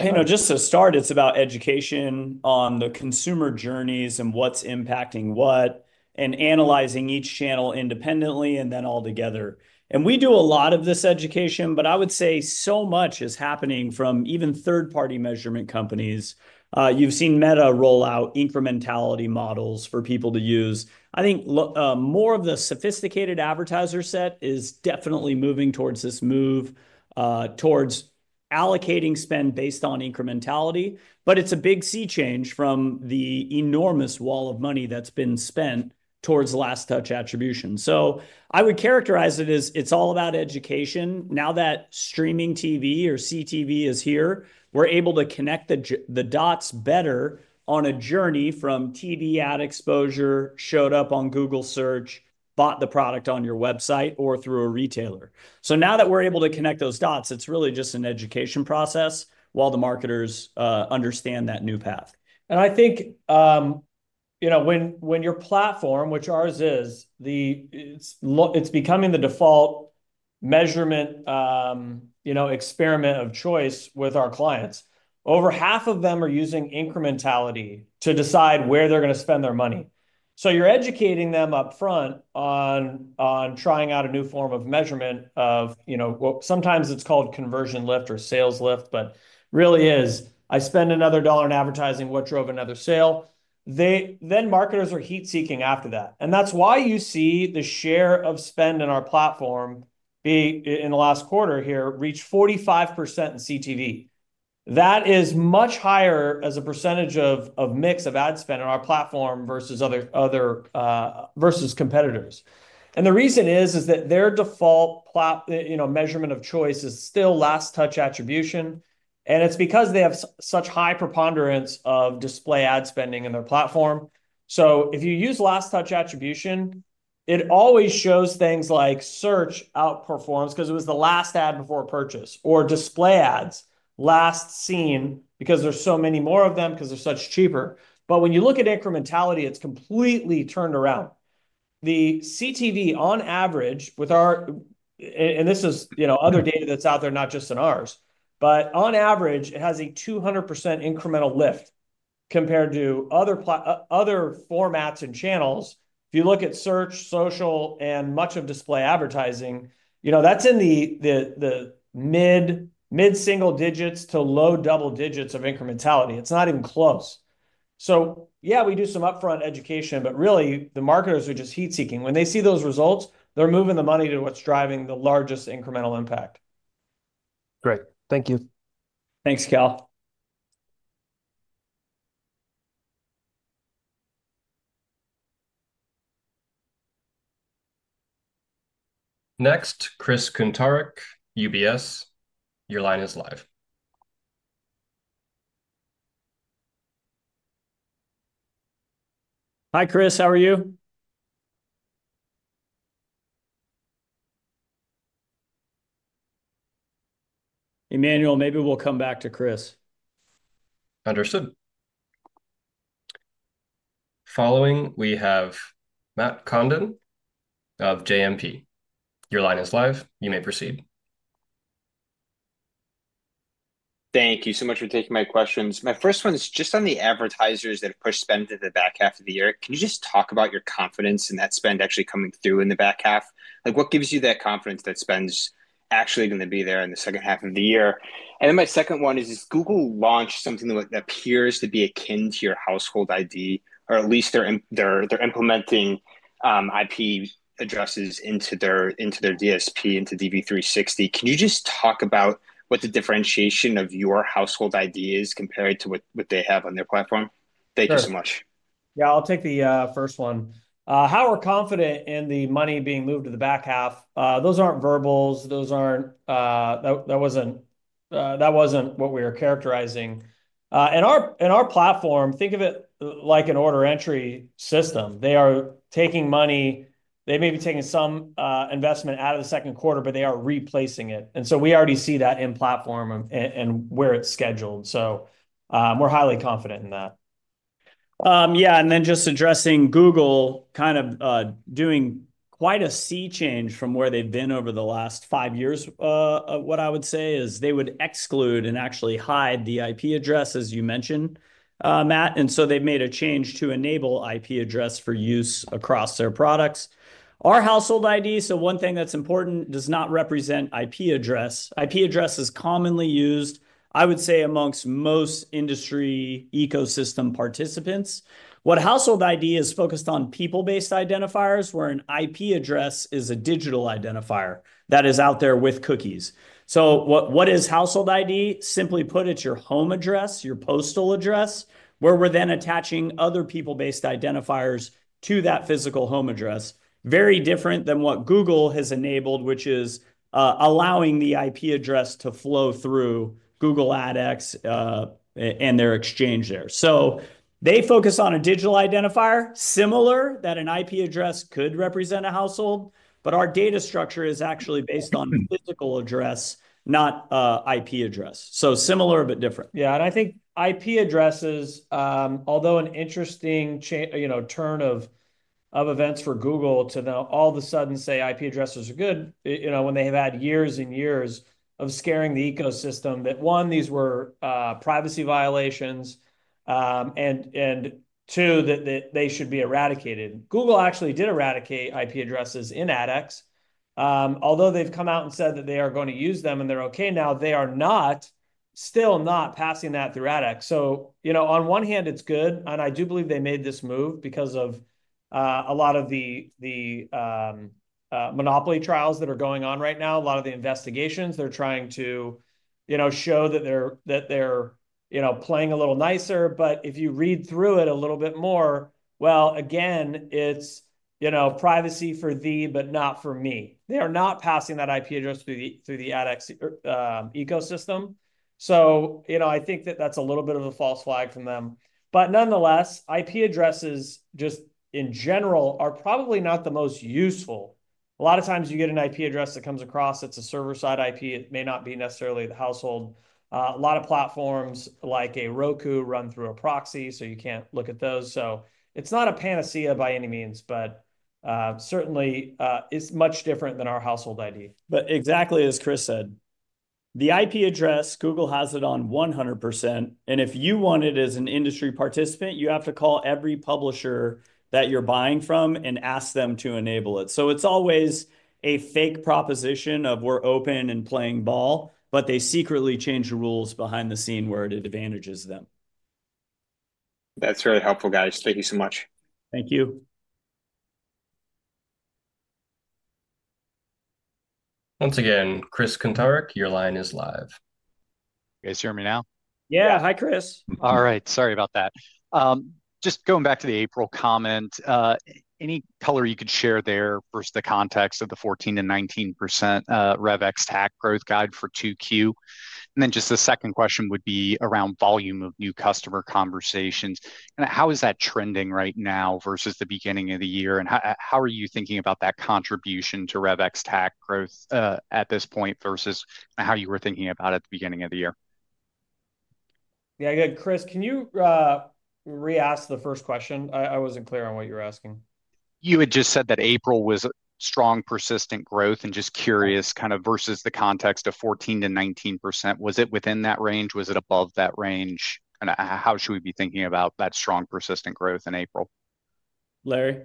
You know, just to start, it's about education on the consumer journeys and what's impacting what and analyzing each channel independently and then all together. And we do a lot of this education, but I would say so much is happening from even third-party measurement companies. You've seen Meta roll out incrementality models for people to use. I think more of the sophisticated advertiser set is definitely moving towards this move towards allocating spend based on incrementality, but it's a big sea change from the enormous wall of money that's been spent towards last-touch attribution. So I would characterize it as it's all about education. Now that streaming TV or CTV is here, we're able to connect the dots better on a journey from TV ad exposure, showed up on Google search, bought the product on your website, or through a retailer. Now that we're able to connect those dots, it's really just an education process while the marketers understand that new path. I think, you know, when your platform, which ours is, it's becoming the default measurement, you know, experiment of choice with our clients, over half of them are using incrementality to decide where they're going to spend their money. You're educating them upfront on trying out a new form of measurement of, you know, what sometimes it's called conversion lift or sales lift, but really is, I spend another dollar in advertising, what drove another sale. Marketers are heat-seeking after that. That is why you see the share of spend in our platform be in the last quarter here reach 45% in CTV. That is much higher as a percentage of mix of ad spend in our platform versus competitors. The reason is that their default, you know, measurement of choice is still last-touch attribution. It is because they have such high preponderance of display ad spending in their platform. If you use last-touch attribution, it always shows things like search outperforms because it was the last ad before purchase or display ads last seen because there are so many more of them because they are so much cheaper. When you look at incrementality, it is completely turned around. The CTV on average with our, and this is, you know, other data that's out there, not just in ours, but on average, it has a 200% incremental lift compared to other formats and channels. If you look at search, social, and much of display advertising, you know, that's in the mid-single digits to low double digits of incrementality. It's not even close. Yeah, we do some upfront education, but really the marketers are just heat-seeking. When they see those results, they're moving the money to what's driving the largest incremental impact. Great. Thank you. Thanks, Cal. Next, Chris Kuntarich, UBS. Your line is live. Hi, Chris. How are you? Emmanuel, maybe we'll come back to Chris. Understood. Following, we have Matt Condon of JMP. Your line is live. You may proceed. Thank you so much for taking my questions. My first one is just on the advertisers that have pushed spend to the back half of the year. Can you just talk about your confidence in that spend actually coming through in the back half? Like, what gives you that confidence that spend's actually going to be there in the second half of the year? And then my second one is, has Google launched something that appears to be akin to your Household ID, or at least they're implementing IP addresses into their DSP, into DV360? Can you just talk about what the differentiation of your Household ID is compared to what they have on their platform? Thank you so much. Yeah, I'll take the first one. How we're confident in the money being moved to the back half. Those aren't verbals. Those aren't, that wasn't what we were characterizing. Our platform, think of it like an order entry system. They are taking money. They may be taking some investment out of the second quarter, but they are replacing it. We already see that in platform and where it is scheduled. We are highly confident in that. Yeah, just addressing Google kind of doing quite a sea change from where they have been over the last five years, what I would say is they would exclude and actually hide the IP address, as you mentioned, Matt. They have made a change to enable IP address for use across their products. Our Household ID, so one thing that is important, does not represent IP address. IP address is commonly used, I would say, amongst most industry ecosystem participants. What Household ID is focused on, people-based identifiers, where an IP address is a digital identifier that is out there with cookies. What is Household ID? Simply put, it's your home address, your postal address, where we're then attaching other people-based identifiers to that physical home address. Very different than what Google has enabled, which is allowing the IP address to flow through Google AdX and their exchange there. They focus on a digital identifier similar, that an IP address could represent a household, but our data structure is actually based on physical address, not IP address. Similar but different. Yeah, and I think IP addresses, although an interesting, you know, turn of events for Google to now all of a sudden say IP addresses are good, you know, when they have had years and years of scaring the ecosystem that, one, these were privacy violations, and two, that they should be eradicated. Google actually did eradicate IP addresses in AdX. Although they've come out and said that they are going to use them and they're okay now, they are not still not passing that through AdX. You know, on one hand, it's good. I do believe they made this move because of a lot of the monopoly trials that are going on right now, a lot of the investigations they're trying to, you know, show that they're, you know, playing a little nicer. If you read through it a little bit more, it's, you know, privacy for thee, but not for me. They are not passing that IP address through the AdX ecosystem. I think that that's a little bit of a false flag from them. Nonetheless, IP addresses just in general are probably not the most useful. A lot of times you get an IP address that comes across, it's a server-side IP. It may not be necessarily the household. A lot of platforms like a Roku run through a proxy, so you can't look at those. It's not a panacea by any means, but certainly it's much different than our Household ID. Exactly as Chris said, the IP address, Google has it on 100%. If you want it as an industry participant, you have to call every publisher that you're buying from and ask them to enable it. It is always a fake proposition of we're open and playing ball, but they secretly change the rules behind the scene where it advantages them. That's really helpful, guys. Thank you so much. Thank you. Once again, Chris Kuntarich, your line is live. You guys hear me now? Yeah. Hi, Chris. All right. Sorry about that. Just going back to the April comment, any color you could share there for the context of the 14%-19% REVX tax growth guide for 2Q? The second question would be around volume of new customer conversations. How is that trending right now versus the beginning of the year? How are you thinking about that contribution to REVX tax growth at this point versus how you were thinking about it at the beginning of the year? Yeah, I got Chris, can you re-ask the first question? I was not clear on what you were asking. You had just said that April was strong persistent growth and just curious kind of versus the context of 14%-19%. Was it within that range? Was it above that range? Kind of how should we be thinking about that strong persistent growth in April? Larry?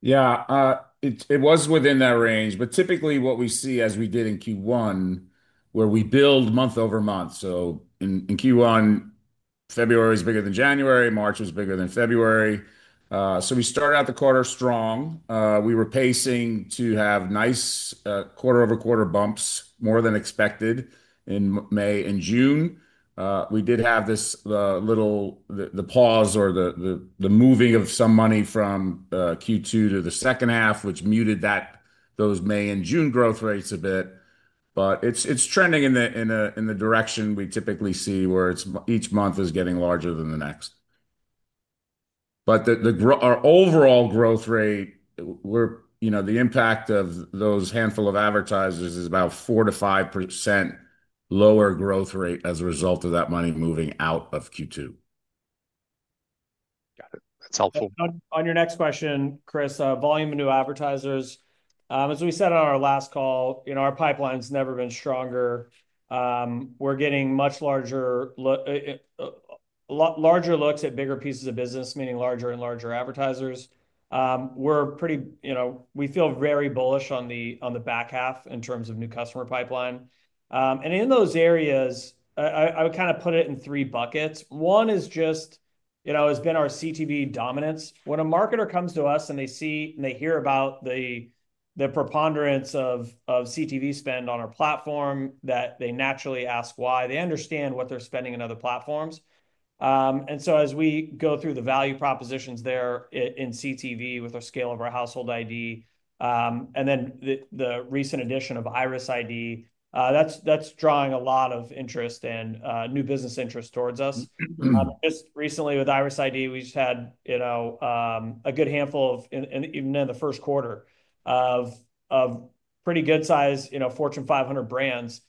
Yeah, it was within that range, but typically what we see as we did in Q1, where we build month over month. In Q1, February is bigger than January. March was bigger than February. We started out the quarter strong. We were pacing to have nice quarter-over-quarter bumps more than expected in May and June. We did have this little pause or the moving of some money from Q2 to the second half, which muted those May and June growth rates a bit. It is trending in the direction we typically see where each month is getting larger than the next. Our overall growth rate, you know, the impact of those handful of advertisers is about 4%-5% lower growth rate as a result of that money moving out of Q2. Got it. That's helpful. On your next question, Chris, volume of new advertisers. As we said on our last call, you know, our pipeline's never been stronger. We're getting much larger looks at bigger pieces of business, meaning larger and larger advertisers. We're pretty, you know, we feel very bullish on the back half in terms of new customer pipeline. In those areas, I would kind of put it in three buckets. One is just, you know, has been our CTV dominance. When a marketer comes to us and they see and they hear about the preponderance of CTV spend on our platform, they naturally ask why. They understand what they're spending in other platforms. As we go through the value propositions there in CTV with the scale of our Household ID and then the recent addition of Iris ID, that's drawing a lot of interest and new business interest towards us. Just recently with Iris ID, we've had, you know, a good handful of, and even in the first quarter of pretty good size, you know, Fortune 500 brands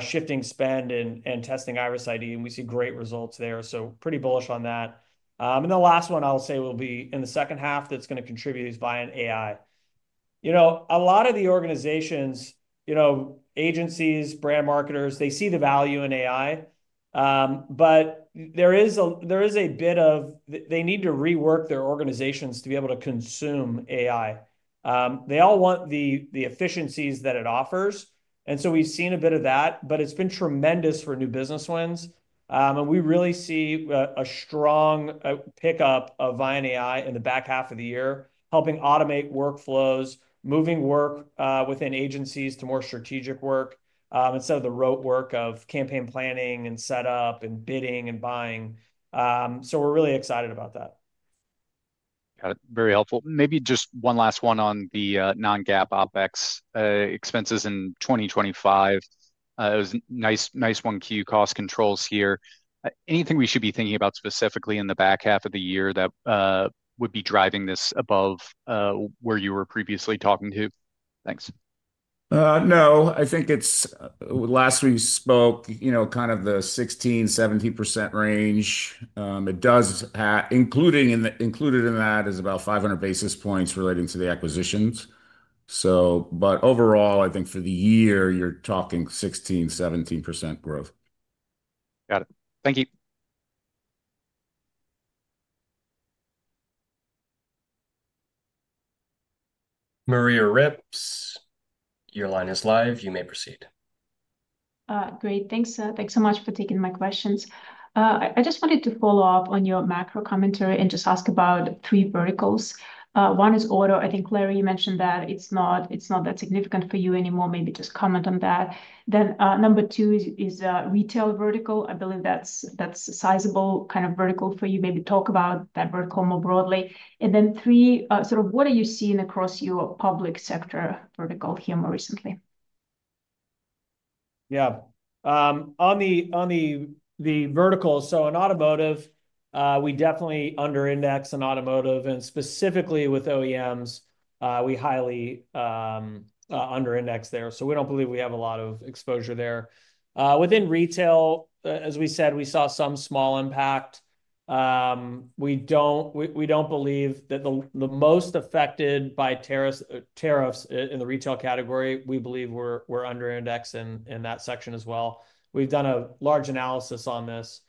shifting spend and testing Iris ID, and we see great results there. Pretty bullish on that. The last one I'll say will be in the second half that's going to contribute is buying AI. You know, a lot of the organizations, you know, agencies, brand marketers, they see the value in AI, but there is a bit of they need to rework their organizations to be able to consume AI. They all want the efficiencies that it offers. You know, we've seen a bit of that, but it's been tremendous for new business wins. We really see a strong pickup of Viant AI in the back half of the year, helping automate workflows, moving work within agencies to more strategic work instead of the rote work of campaign planning and setup and bidding and buying. We're really excited about that. Got it. Very helpful. Maybe just one last one on the non-GAAP OpEx expenses in 2025. It was nice 1Q cost controls here. Anything we should be thinking about specifically in the back half of the year that would be driving this above where you were previously talking to? Thanks. No, I think it's last we spoke, you know, kind of the 16%-17% range. It does have, included in that is about 500 basis points relating to the acquisitions. So, but overall, I think for the year, you're talking 16%-17% growth. Got it. Thank you. Maria Ripps, your line is live. You may proceed. Great. Thanks so much for taking my questions. I just wanted to follow up on your macro commentary and just ask about three verticals. One is auto. I think, Larry, you mentioned that it's not that significant for you anymore. Maybe just comment on that. Then number two is retail vertical. I believe that's a sizable kind of vertical for you. Maybe talk about that vertical more broadly. And then three, sort of what are you seeing across your public sector vertical here more recently? Yeah. On the vertical, so in automotive, we definitely underindex in automotive. And specifically with OEMs, we highly underindex there. So we don't believe we have a lot of exposure there. Within retail, as we said, we saw some small impact. We don't believe that the most affected by tariffs in the retail category, we believe we're underindexed in that section as well. We've done a large analysis on this.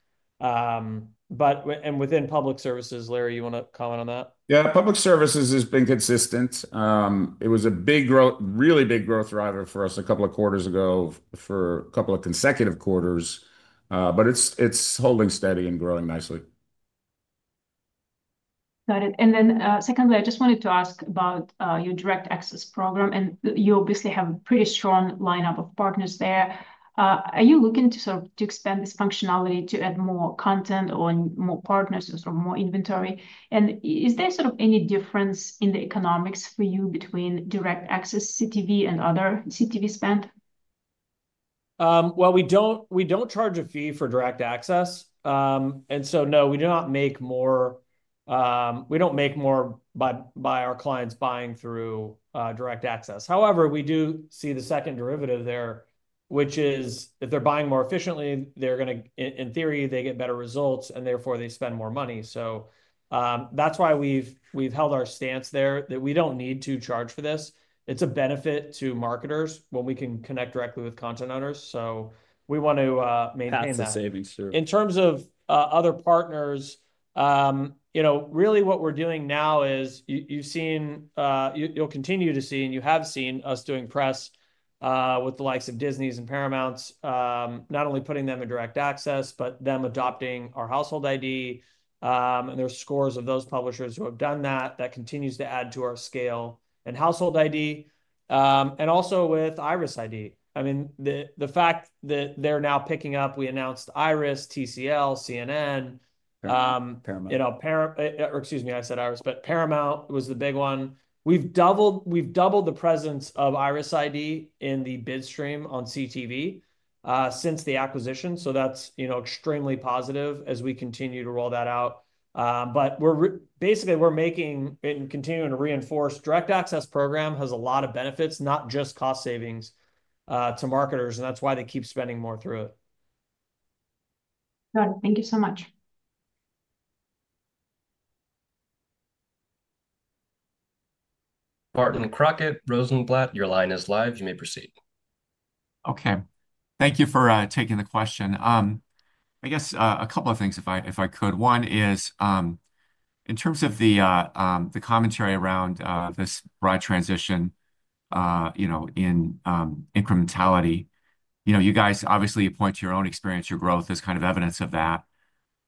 But within public services, Larry, you want to comment on that? Yeah, public services has been consistent. It was a big, really big growth driver for us a couple of quarters ago for a couple of consecutive quarters. But it's holding steady and growing nicely. Got it. I just wanted to ask about your Direct Access Program. You obviously have a pretty strong lineup of partners there. Are you looking to sort of expand this functionality to add more content or more partners or more inventory? Is there sort of any difference in the economics for you between Direct Access CTV and other CTV spend? We do not charge a fee for Direct Access. No, we do not make more; we do not make more by our clients buying through Direct Access. However, we do see the second derivative there, which is if they are buying more efficiently, they are going to, in theory, get better results and therefore they spend more money. That is why we have held our stance there that we do not need to charge for this. It is a benefit to marketers when we can connect directly with content owners. We want to maintain that. In terms of other partners, you know, really what we're doing now is you've seen, you'll continue to see, and you have seen us doing press with the likes of Disney and Paramount, not only putting them in direct access, but them adopting our Household ID. And there are scores of those publishers who have done that. That continues to add to our scale and Household ID. And also with Iris ID. I mean, the fact that they're now picking up, we announced IRIS, TCL, CNN, Paramount. You know, excuse me, I said IRIS, but Paramount was the big one. We've doubled the presence of Iris ID in the bid stream on CTV since the acquisition. That's extremely positive as we continue to roll that out. Basically, we're making and continuing to reinforce the direct access program has a lot of benefits, not just cost savings to marketers. That's why they keep spending more through it. Got it. Thank you so much. Barton Crockett, Rosenblatt, your line is live. You may proceed. Okay. Thank you for taking the question. I guess a couple of things, if I could. One is in terms of the commentary around this broad transition, you know, in incrementality, you know, you guys obviously point to your own experience, your growth as kind of evidence of that.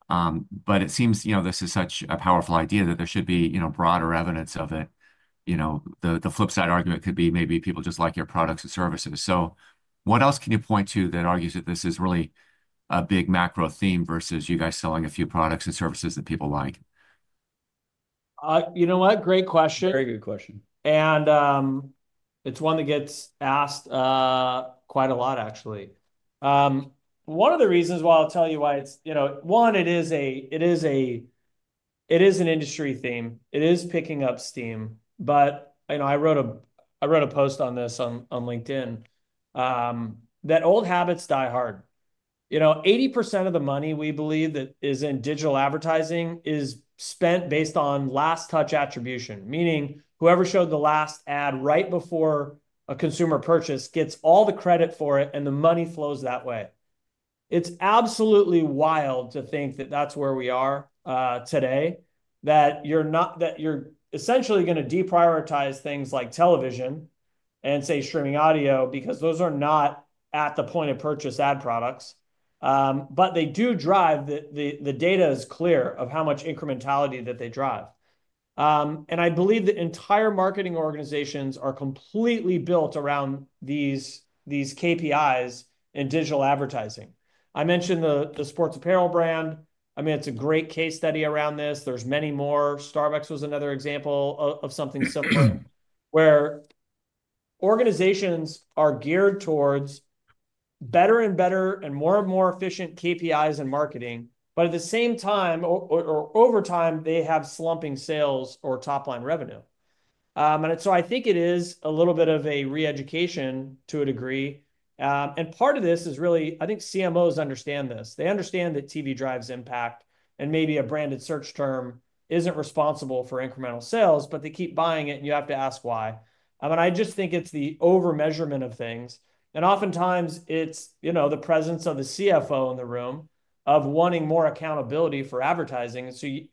It seems, you know, this is such a powerful idea that there should be, you know, broader evidence of it. The flip side argument could be maybe people just like your products and services. What else can you point to that argues that this is really a big macro theme versus you guys selling a few products and services that people like? You know what? Great question. Very good question. And it's one that gets asked quite a lot, actually. One of the reasons why I'll tell you why it's, you know, one, it is an industry theme. It is picking up steam. You know, I wrote a post on this on LinkedIn that old habits die hard. You know, 80% of the money we believe that is in digital advertising is spent based on last-touch attribution, meaning whoever showed the last ad right before a consumer purchase gets all the credit for it and the money flows that way. It's absolutely wild to think that that's where we are today, that you're essentially going to deprioritize things like television and say streaming audio because those are not at the point of purchase ad products. They do drive, the data is clear of how much incrementality that they drive. I believe that entire marketing organizations are completely built around these KPIs in digital advertising. I mentioned the sports apparel brand. I mean, it's a great case study around this. There's many more. Starbucks was another example of something similar where organizations are geared towards better and better and more and more efficient KPIs in marketing, but at the same time or over time, they have slumping sales or top-line revenue. I think it is a little bit of a re-education to a degree. Part of this is really, I think CMOs understand this. They understand that TV drives impact and maybe a branded search term isn't responsible for incremental sales, but they keep buying it and you have to ask why. I just think it's the over-measurement of things. Oftentimes it's, you know, the presence of the CFO in the room wanting more accountability for advertising.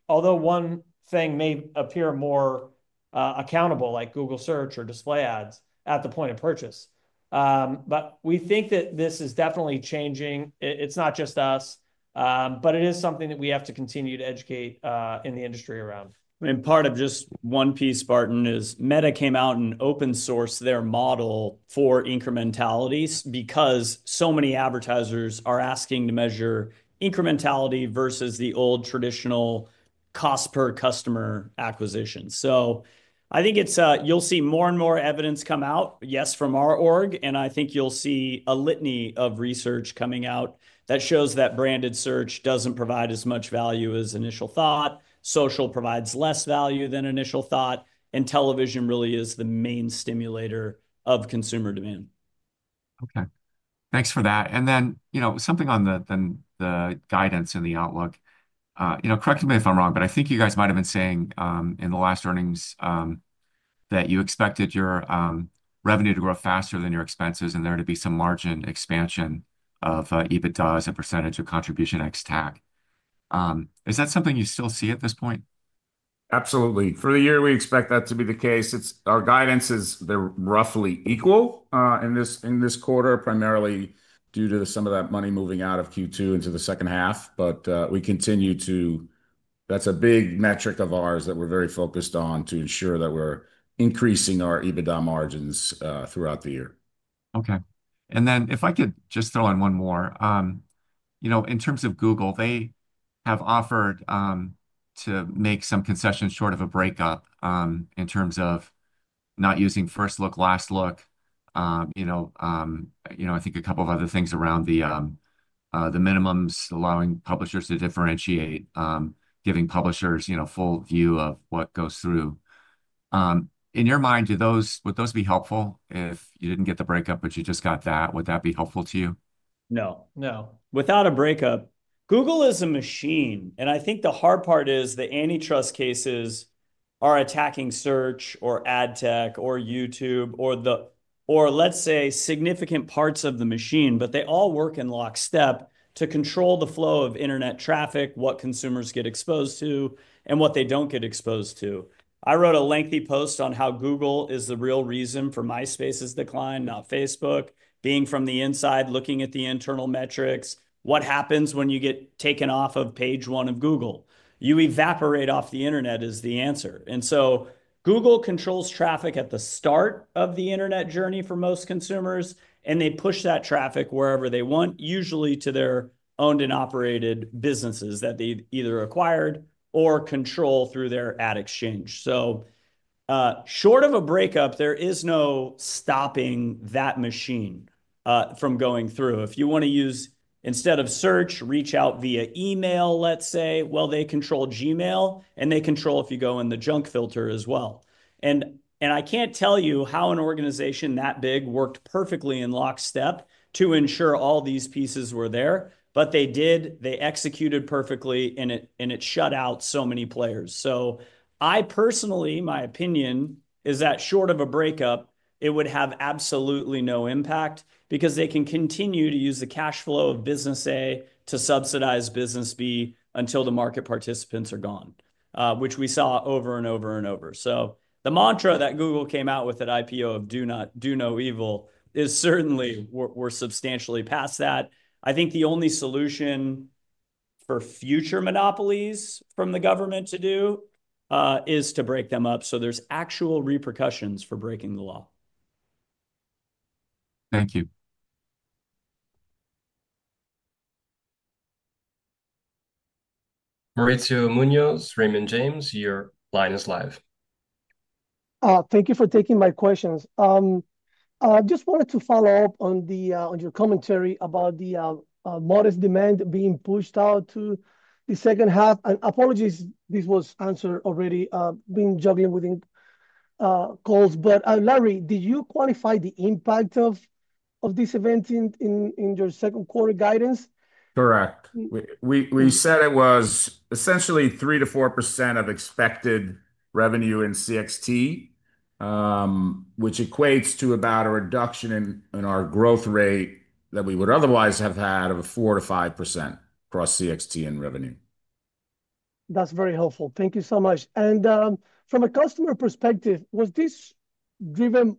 Although one thing may appear more accountable like Google Search or display ads at the point of purchase, we think that this is definitely changing. It's not just us, but it is something that we have to continue to educate in the industry around. Part of just one piece, Barton, is Meta came out and open-sourced their model for incrementalities because so many advertisers are asking to measure incrementality versus the old traditional cost per customer acquisition. I think you'll see more and more evidence come out, yes, from our org. I think you'll see a litany of research coming out that shows that branded search doesn't provide as much value as initial thought. Social provides less value than initial thought. Television really is the main stimulator of consumer demand. Okay. Thanks for that. Then, you know, something on the guidance and the outlook, you know, correct me if I'm wrong, but I think you guys might have been saying in the last earnings that you expected your revenue to grow faster than your expenses and there to be some margin expansion of EBITDA as a percentage of contribution ex-TAC. Is that something you still see at this point? Absolutely. For the year, we expect that to be the case. Our guidance is they're roughly equal in this quarter, primarily due to some of that money moving out of Q2 into the second half. We continue to, that's a big metric of ours that we're very focused on to ensure that we're increasing our EBITDA margins throughout the year. Okay. If I could just throw in one more, you know, in terms of Google, they have offered to make some concessions short of a breakup in terms of not using first look, last look, you know, I think a couple of other things around the minimums allowing publishers to differentiate, giving publishers, you know, full view of what goes through. In your mind, would those be helpful if you didn't get the breakup, but you just got that? Would that be helpful to you? No, no. Without a breakup, Google is a machine. I think the hard part is the antitrust cases are attacking search or AdTech or YouTube or, let's say, significant parts of the machine, but they all work in lockstep to control the flow of internet traffic, what consumers get exposed to, and what they don't get exposed to. I wrote a lengthy post on how Google is the real reason for MySpace's decline, not Facebook. Being from the inside, looking at the internal metrics, what happens when you get taken off of page one of Google? You evaporate off the internet is the answer. Google controls traffic at the start of the internet journey for most consumers, and they push that traffic wherever they want, usually to their owned and operated businesses that they've either acquired or control through their ad exchange. Short of a breakup, there is no stopping that machine from going through. If you want to use instead of search, reach out via email, let's say, they control Gmail and they control if you go in the junk filter as well. I can't tell you how an organization that big worked perfectly in lockstep to ensure all these pieces were there, but they did. They executed perfectly and it shut out so many players. I personally, my opinion is that short of a breakup, it would have absolutely no impact because they can continue to use the cash flow of business A to subsidize business B until the market participants are gone, which we saw over and over and over. The mantra that Google came out with at IPO of do no evil is certainly, we're substantially past that. I think the only solution for future monopolies from the government to do is to break them up so there's actual repercussions for breaking the law. Thank you. Mauricio Munoz, Raymond James, your line is live. Thank you for taking my questions. I just wanted to follow up on your commentary about the modest demand being pushed out to the second half. Apologies, this was answered already. Been juggling within calls. Larry, did you qualify the impact of this event in your second quarter guidance? Correct. We said it was essentially 3%-4% of expected revenue in CXT, which equates to about a reduction in our growth rate that we would otherwise have had of 4%-5% across CXT and revenue. That's very helpful. Thank you so much. From a customer perspective, was this driven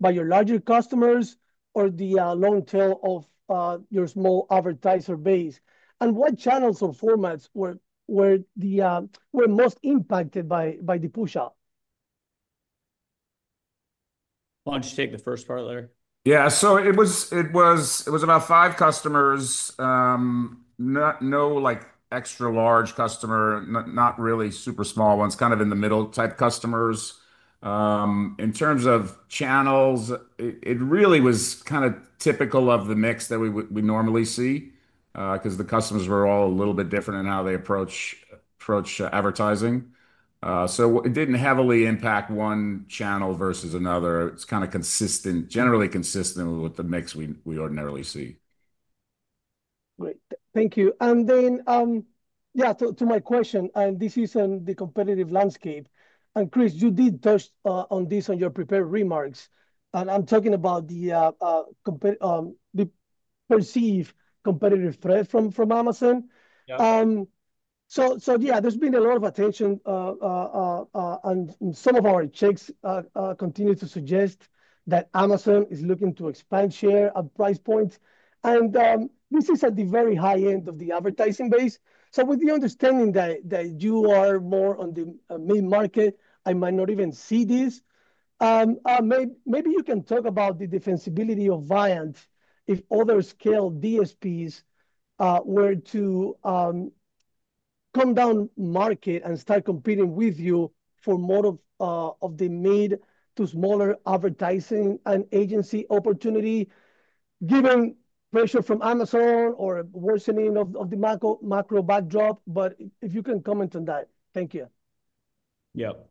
by your larger customers or the long tail of your small advertiser base? What channels or formats were most impacted by the push-up? Why do you not take the first part, Larry? Yeah. It was about five customers, no extra large customer, not really super small ones, kind of in the middle type customers. In terms of channels, it really was kind of typical of the mix that we normally see because the customers were all a little bit different in how they approach advertising. It did not heavily impact one channel versus another. It is kind of generally consistent with the mix we ordinarily see. Great. Thank you. To my question, and this is on the competitive landscape. Chris, you did touch on this in your prepared remarks. I'm talking about the perceived competitive threat from Amazon. Yeah, there's been a lot of attention, and some of our checks continue to suggest that Amazon is looking to expand share and price points. This is at the very high end of the advertising base. With the understanding that you are more on the mid-market, I might not even see this. Maybe you can talk about the defensibility of Viant if other scale DSPs were to come down market and start competing with you for more of the mid to smaller advertising and agency opportunity given pressure from Amazon or worsening of the macro backdrop. If you can comment on that, thank you. Yep.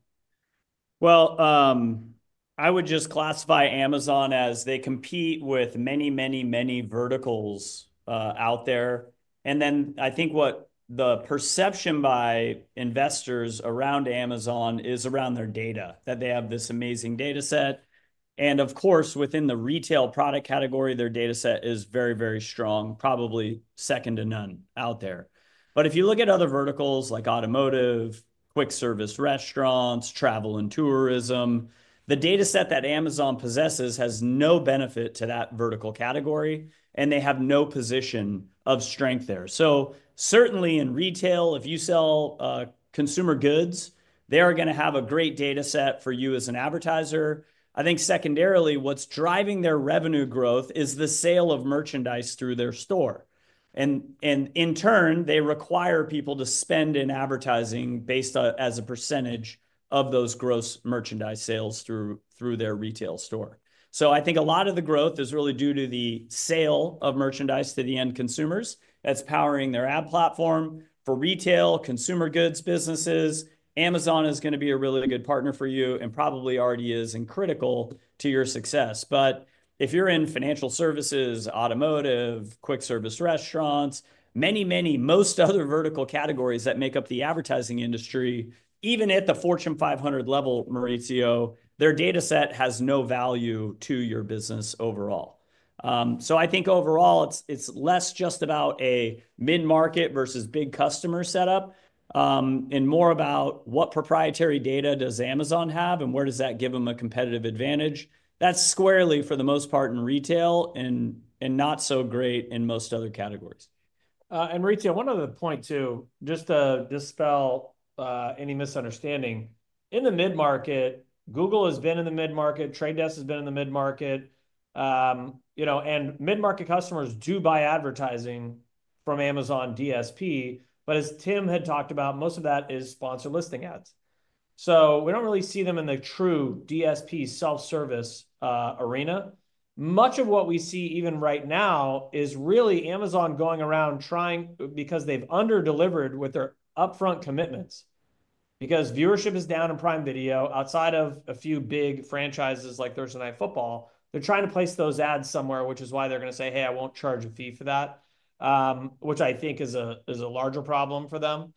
I would just classify Amazon as they compete with many, many, many verticals out there. I think what the perception by investors around Amazon is around their data, that they have this amazing data set. Of course, within the retail product category, their data set is very, very strong, probably second to none out there. If you look at other verticals like automotive, quick service restaurants, travel and tourism, the data set that Amazon possesses has no benefit to that vertical category, and they have no position of strength there. Certainly in retail, if you sell consumer goods, they are going to have a great data set for you as an advertiser. I think secondarily, what is driving their revenue growth is the sale of merchandise through their store. In turn, they require people to spend in advertising based as a percentage of those gross merchandise sales through their retail store. I think a lot of the growth is really due to the sale of merchandise to the end consumers that's powering their ad platform for retail, consumer goods businesses. Amazon is going to be a really good partner for you and probably already is and critical to your success. If you're in financial services, automotive, quick service restaurants, many, many, most other vertical categories that make up the advertising industry, even at the Fortune 500 level, Mauricio, their data set has no value to your business overall. I think overall, it's less just about a mid-market versus big customer setup and more about what proprietary data does Amazon have and where does that give them a competitive advantage. That's squarely for the most part in retail and not so great in most other categories. Mauricio, one other point too, just to dispel any misunderstanding. In the mid-market, Google has been in the mid-market, The Trade Desk has been in the mid-market, and mid-market customers do buy advertising from Amazon DSP, but as Tim had talked about, most of that is sponsor listing ads. We do not really see them in the true DSP self-service arena. Much of what we see even right now is really Amazon going around trying because they have underdelivered with their upfront commitments. Because viewership is down in Prime Video outside of a few big franchises like Thursday Night Football, they are trying to place those ads somewhere, which is why they are going to say, "Hey, I will not charge a fee for that," which I think is a larger problem for them.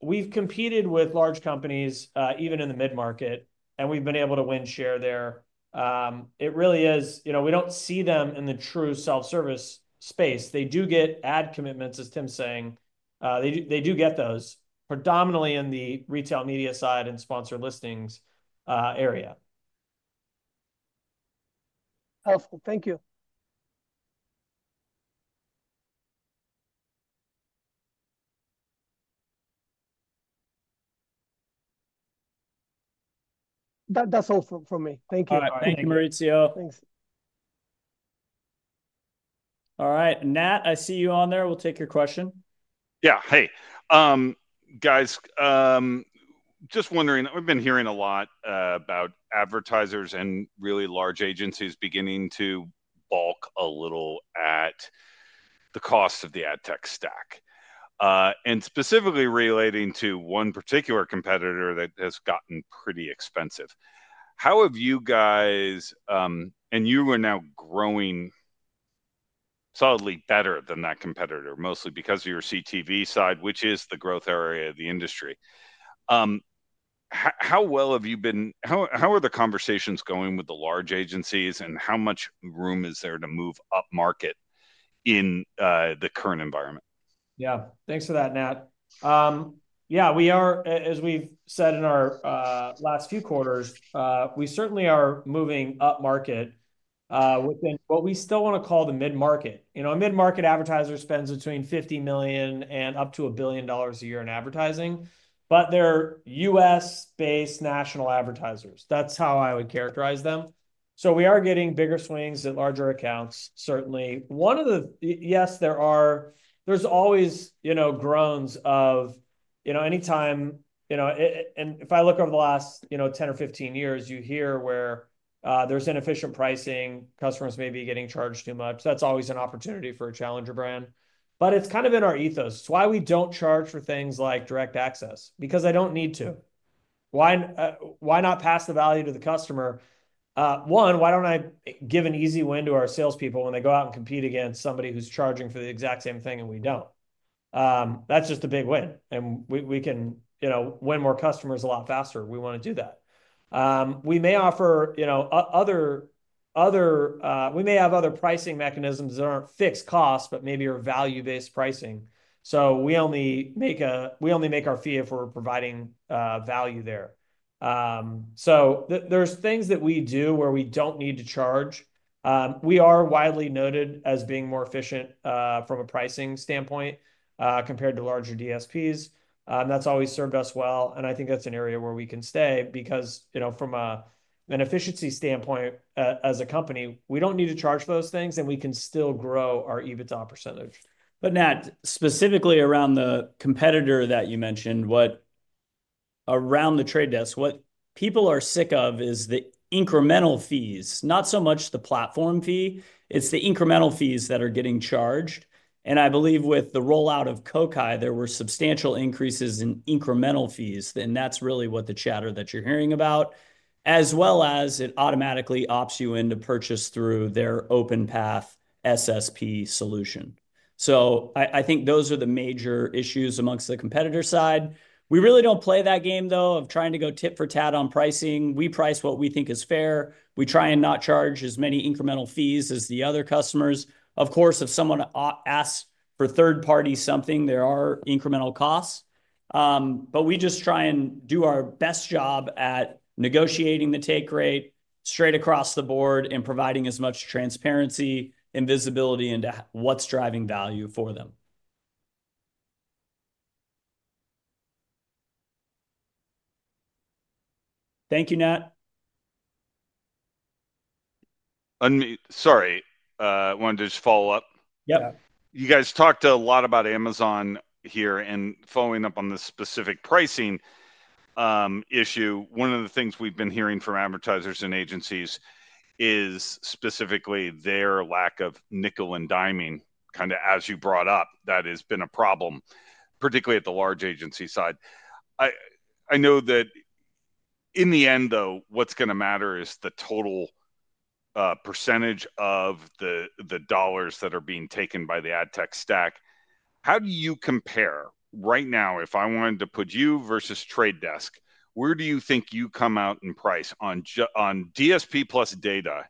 We have competed with large companies even in the mid-market, and we have been able to win share there. It really is, you know, we do not see them in the true self-service space. They do get ad commitments, as Tim is saying. They do get those predominantly in the retail media side and sponsor listings area. Helpful. Thank you. That is all from me. Thank you. All right. Thank you, Mauricio. Thanks. All right. Nat, I see you on there. We will take your question. Yeah. Hey, guys, just wondering, we have been hearing a lot about advertisers and really large agencies beginning to balk a little at the cost of the AdTech stack and specifically relating to one particular competitor that has gotten pretty expensive. How have you guys, and you are now growing solidly better than that competitor, mostly because of your CTV side, which is the growth area of the industry. How well have you been? How are the conversations going with the large agencies, and how much room is there to move up market in the current environment? Yeah. Thanks for that, Nat. Yeah, we are, as we've said in our last few quarters, we certainly are moving up market within what we still want to call the mid-market. A mid-market advertiser spends between $50 million and up to $1 billion a year in advertising, but they're U.S.-based national advertisers. That's how I would characterize them. So we are getting bigger swings at larger accounts, certainly. One of the, yes, there's always groans of any time, and if I look over the last 10 or 15 years, you hear where there's inefficient pricing, customers may be getting charged too much. That's always an opportunity for a challenger brand. But it's kind of in our ethos. It's why we don't charge for things like direct access because I don't need to. Why not pass the value to the customer? One, why don't I give an easy win to our salespeople when they go out and compete against somebody who's charging for the exact same thing and we don't? That's just a big win. We can win more customers a lot faster. We want to do that. We may offer other—we may have other pricing mechanisms that aren't fixed costs, but maybe are value-based pricing. We only make our fee if we're providing value there. There are things that we do where we don't need to charge. We are widely noted as being more efficient from a pricing standpoint compared to larger DSPs. That's always served us well. I think that's an area where we can stay because from an efficiency standpoint, as a company, we don't need to charge those things, and we can still grow our EBITDA percentage. Nat, specifically around the competitor that you mentioned, around The Trade Desk, what people are sick of is the incremental fees. Not so much the platform fee. It's the incremental fees that are getting charged. I believe with the rollout of Kokai, there were substantial increases in incremental fees. That's really what the chatter that you're hearing about, as well as it automatically opts you into purchase through their OpenPath SSP solution. I think those are the major issues amongst the competitor side. We really don't play that game, though, of trying to go tit for tat on pricing. We price what we think is fair. We try and not charge as many incremental fees as the other customers. Of course, if someone asks for third-party something, there are incremental costs. We just try and do our best job at negotiating the take rate straight across the board and providing as much transparency and visibility into what's driving value for them. Thank you, Nat. Sorry, I wanted to just follow up. Yep. You guys talked a lot about Amazon here and following up on the specific pricing issue. One of the things we've been hearing from advertisers and agencies is specifically their lack of nickel and diming, kind of as you brought up, that has been a problem, particularly at the large agency side. I know that in the end, though, what's going to matter is the total percentage of the dollars that are being taken by the AdTech stack. How do you compare? Right now, if I wanted to put you versus The Trade Desk, where do you think you come out in price on DSP plus data?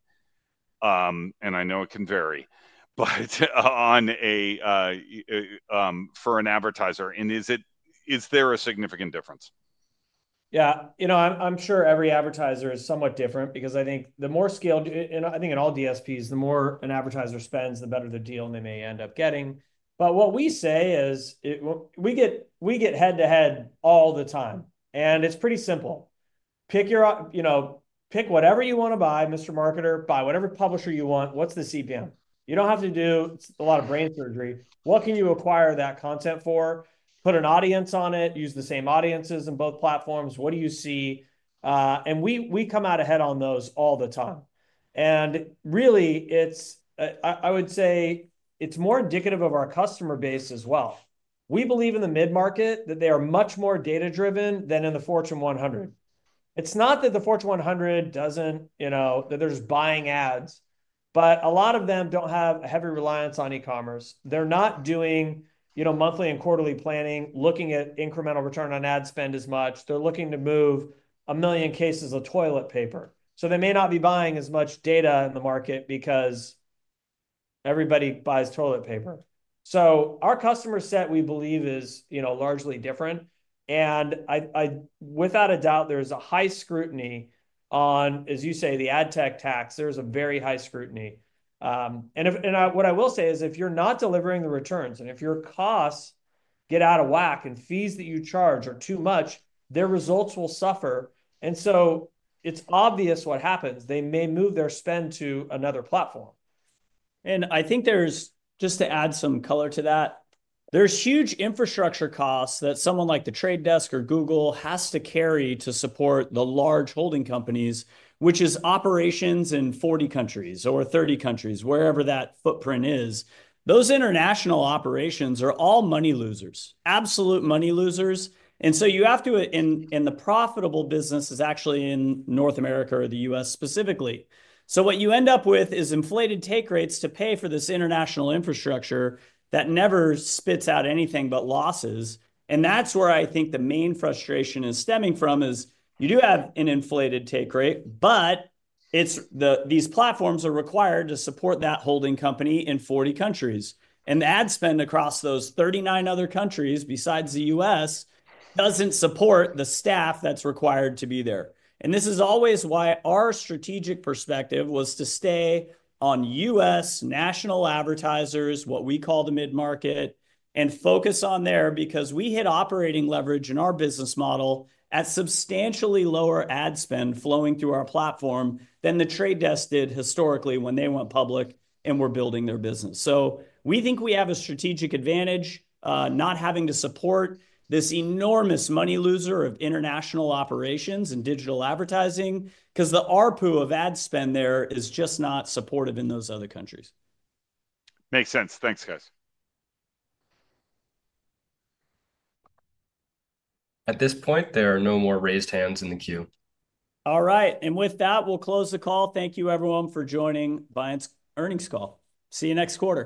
I know it can vary, but for an advertiser, is there a significant difference? Yeah. You know, I'm sure every advertiser is somewhat different because I think the more scaled, and I think in all DSPs, the more an advertiser spends, the better the deal they may end up getting. What we say is we get head-to-head all the time. It is pretty simple. Pick whatever you want to buy, Mr. Marketer, buy whatever publisher you want. What is the CPM? You do not have to do a lot of brain surgery. What can you acquire that content for? Put an audience on it, use the same audiences in both platforms. What do you see? We come out ahead on those all the time. I would say it's more indicative of our customer base as well. We believe in the mid-market that they are much more data-driven than in the Fortune 100. It's not that the Fortune 100 doesn't, that they're just buying ads, but a lot of them don't have a heavy reliance on e-commerce. They're not doing monthly and quarterly planning, looking at incremental return on ad spend as much. They're looking to move a million cases of toilet paper. They may not be buying as much data in the market because everybody buys toilet paper. Our customer set, we believe, is largely different. Without a doubt, there's a high scrutiny on, as you say, the AdTech tax. There's a very high scrutiny. What I will say is if you're not delivering the returns and if your costs get out of whack and fees that you charge are too much, their results will suffer. It is obvious what happens. They may move their spend to another platform. I think there's, just to add some color to that, there's huge infrastructure costs that someone like The Trade Desk or Google has to carry to support the large holding companies, which is operations in 40 countries or 30 countries, wherever that footprint is. Those international operations are all money losers, absolute money losers. You have to, and the profitable business is actually in North America or the U.S. specifically. What you end up with is inflated take rates to pay for this international infrastructure that never spits out anything but losses. That's where I think the main frustration is stemming from is you do have an inflated take rate, but these platforms are required to support that holding company in 40 countries. The ad spend across those 39 other countries besides the U.S. doesn't support the staff that's required to be there. This is always why our strategic perspective was to stay on U.S. national advertisers, what we call the mid-market, and focus on there because we hit operating leverage in our business model at substantially lower ad spend flowing through our platform than The Trade Desk did historically when they went public and were building their business. We think we have a strategic advantage not having to support this enormous money loser of international operations and digital advertising because the ARPU of ad spend there is just not supportive in those other countries. Makes sense. Thanks, guys. At this point, there are no more raised hands in the queue. All right. With that, we'll close the call. Thank you, everyone, for joining Viant's earnings call. See you next quarter.